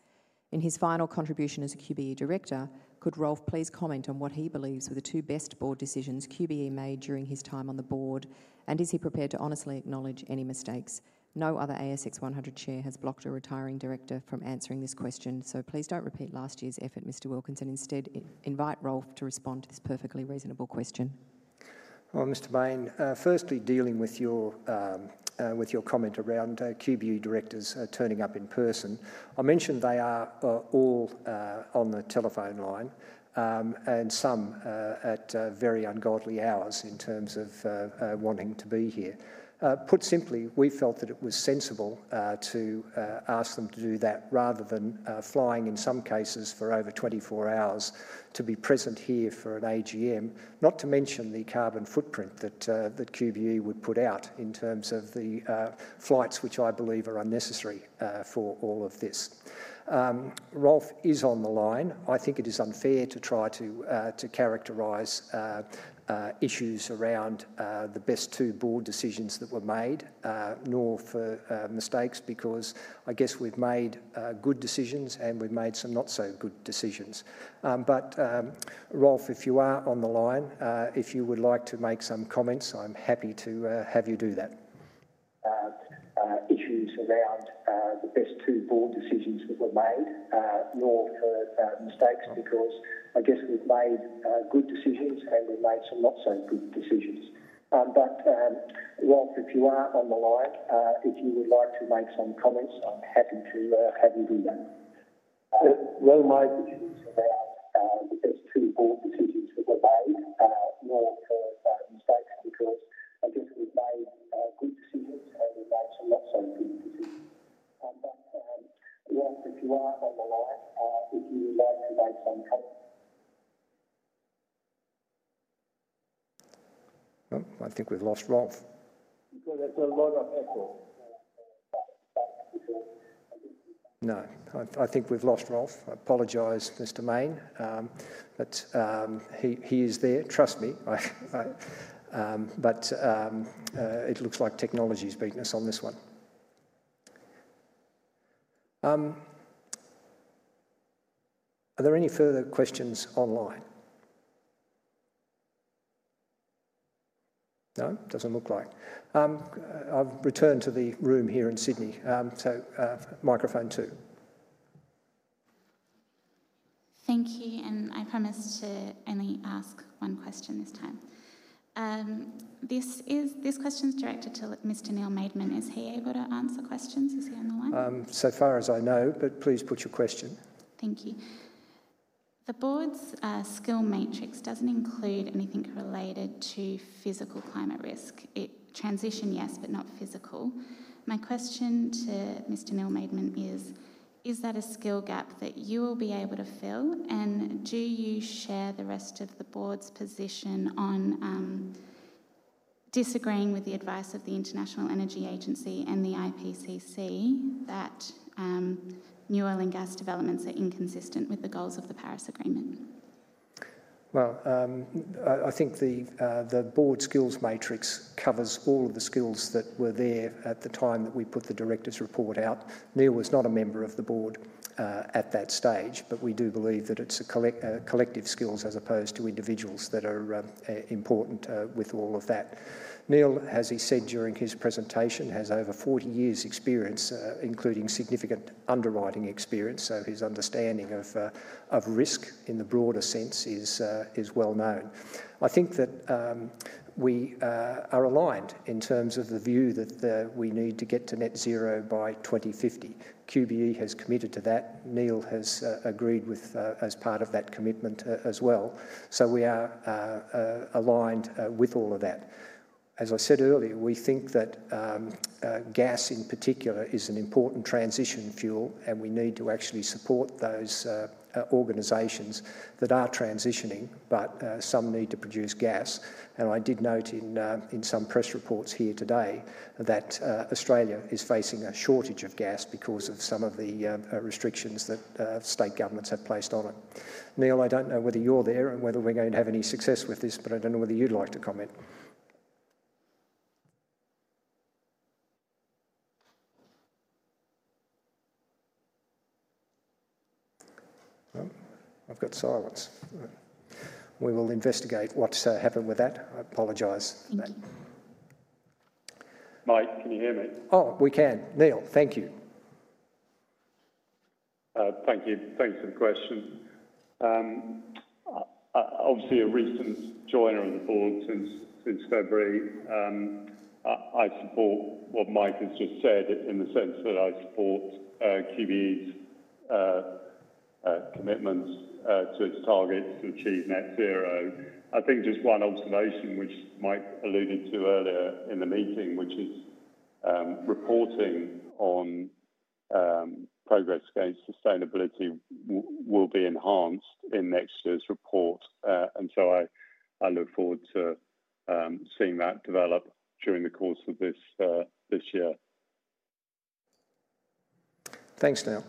In his final contribution as a QBE director, could Rolf please comment on what he believes were the two best board decisions QBE made during his time on the board, and is he prepared to honestly acknowledge any mistakes? No other ASX 100 chair has blocked a retiring director from answering this question, so please don't repeat last year's effort, Mr. Wilkins, and instead invite Rolf to respond to this perfectly reasonable question. Mr. Mayne, firstly, dealing with your comment around QBE directors turning up in person, I mentioned they are all on the telephone line and some at very ungodly hours in terms of wanting to be here. Put simply, we felt that it was sensible to ask them to do that rather than flying, in some cases, for over 24 hours to be present here for an AGM, not to mention the carbon footprint that QBE would put out in terms of the flights, which I believe are unnecessary for all of this. Rolf is on the line. I think it is unfair to try to characterize issues around the best two board decisions that were made, nor for mistakes, because I guess we've made good decisions and we've made some not-so-good decisions. But Rolf, if you are on the line, if you would like to make some comments, I'm happy to have you do that about issues around the best two board decisions that were made or for mistakes, because I guess we've made good decisions and we've made some not-so-good decisions. Well, my decisions around the best two board decisions that were made or for mistakes, because I guess we've made good decisions and we've made some not-so-good decisions. Well, I think we've lost Rolf. No, I apologize, Mr. Mayne, but he is there. Trust me. But it looks like technology's beaten us on this one. Are there any further questions online? No? Doesn't look like. I've returned to the room here in Sydney, so microphone two. Thank you. And I promised to only ask one question this time. This question's directed to Mr. Neil Maidment. Is he able to answer questions? Is he on the line? So far as I know, but please put your question. Thank you. The board's skill matrix doesn't include anything related to physical climate risk. Transition, yes, but not physical. My question to Mr. Neil Maidment is, is that a skill gap that you will be able to fill? And do you share the rest of the board's position on disagreeing with the advice of the International Energy Agency and the IPCC that new LNG gas developments are inconsistent with the goals of the Paris Agreement? I think the board skills matrix covers all of the skills that were there at the time that we put the directors' report out. Neil was not a member of the board at that stage, but we do believe that it's collective skills as opposed to individuals that are important with all of that. Neil, as he said during his presentation, has over 40 years' experience, including significant underwriting experience, so his understanding of risk in the broader sense is well known. I think that we are aligned in terms of the view that we need to get to Net Zero by 2050. QBE has committed to that. Neil has agreed as part of that commitment as well. We are aligned with all of that. As I said earlier, we think that gas, in particular, is an important transition fuel, and we need to actually support those organisations that are transitioning, but some need to produce gas, and I did note in some press reports here today that Australia is facing a shortage of gas because of some of the restrictions that state governments have placed on it. Neil, I don't know whether you're there and whether we're going to have any success with this, but I don't know whether you'd like to comment. I've got silence. We will investigate what's happened with that. I apologize for that. Mike, can you hear me? Oh, we can. Neil, thank you. Thank you. Thanks for the question. Obviously, a recent joiner of the board since February. I support what Mike has just said in the sense that I support QBE's commitments to its targets to achieve net zero. I think just one observation, which Mike alluded to earlier in the meeting, which is reporting on progress against sustainability will be enhanced in next year's report. And so I look forward to seeing that develop during the course of this year. Thanks, Neil.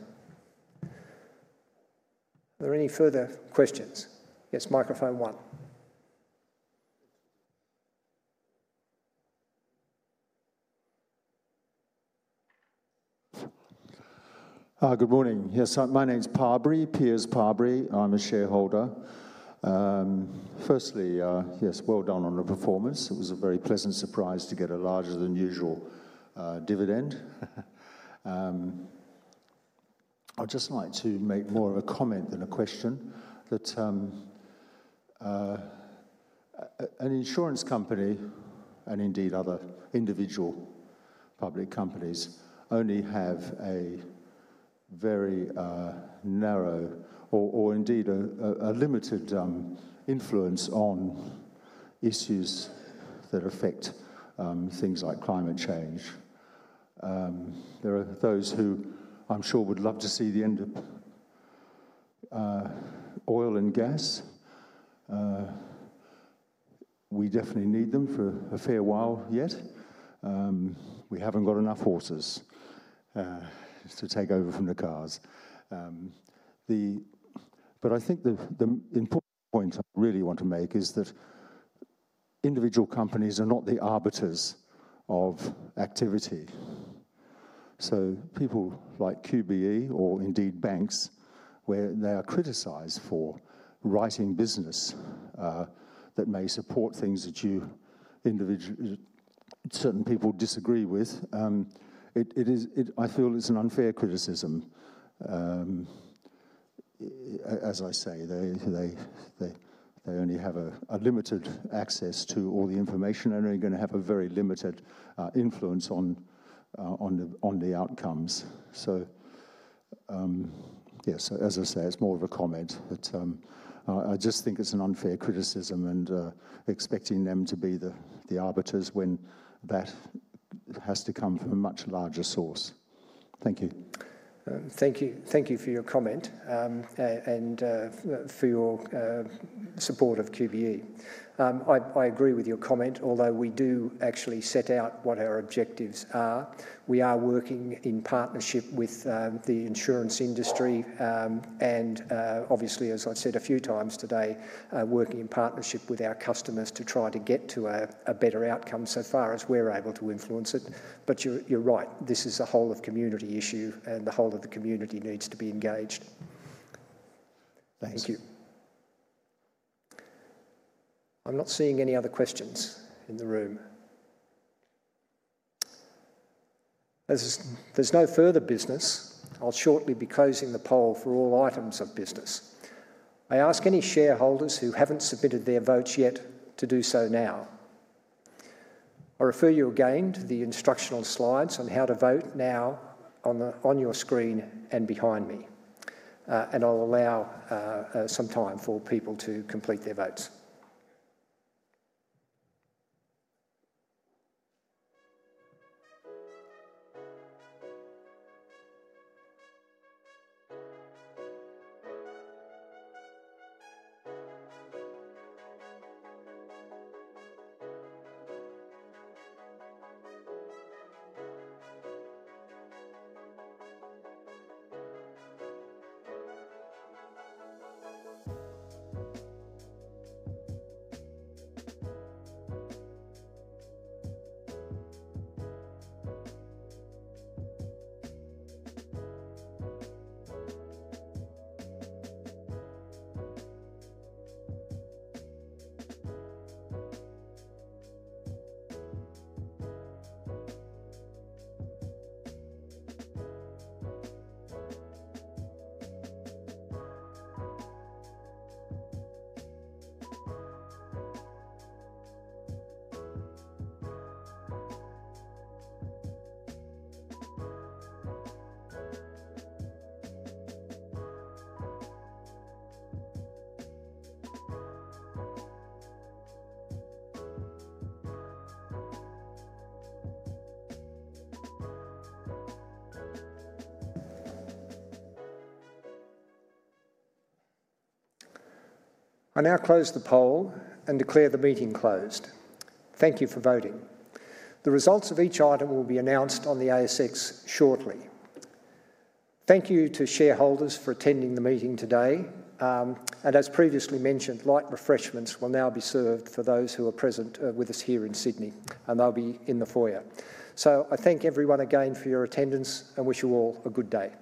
Are there any further questions? Yes, microphone one. Good morning. Yes, my name's Parbury, Piers Parbury. I'm a shareholder. Firstly, yes, well done on the performance. It was a very pleasant surprise to get a larger-than-usual dividend. I'd just like to make more of a comment than a question. An insurance company and indeed other individual public companies only have a very narrow or indeed a limited influence on issues that affect things like climate change. There are those who I'm sure would love to see the end of oil and gas. We definitely need them for a fair while yet. We haven't got enough horses to take over from the cars. But I think the important point I really want to make is that individual companies are not the arbiters of activity. So people like QBE or indeed banks, where they are criticized for writing business that may support things that certain people disagree with, I feel it's an unfair criticism. As I say, they only have a limited access to all the information and are going to have a very limited influence on the outcomes. So yes, as I say, it's more of a comment, but I just think it's an unfair criticism and expecting them to be the arbiters when that has to come from a much larger source. Thank you. Thank you for your comment and for your support of QBE. I agree with your comment, although we do actually set out what our objectives are. We are working in partnership with the insurance industry and, obviously, as I've said a few times today, working in partnership with our customers to try to get to a better outcome so far as we're able to influence it. But you're right. This is a whole-of-community issue, and the whole of the community needs to be engaged. Thank you. I'm not seeing any other questions in the room. There's no further business. I'll shortly be closing the poll for all items of business. I ask any shareholders who haven't submitted their votes yet to do so now. I refer you again to the instructional slides on how to vote now on your screen and behind me. And I'll allow some time for people to complete their votes. I now close the poll and declare the meeting closed. Thank you for voting. The results of each item will be announced on the ASX shortly. Thank you to shareholders for attending the meeting today. And as previously mentioned, light refreshments will now be served for those who are present with us here in Sydney, and they'll be in the foyer. So I thank everyone again for your attendance and wish you all a good day.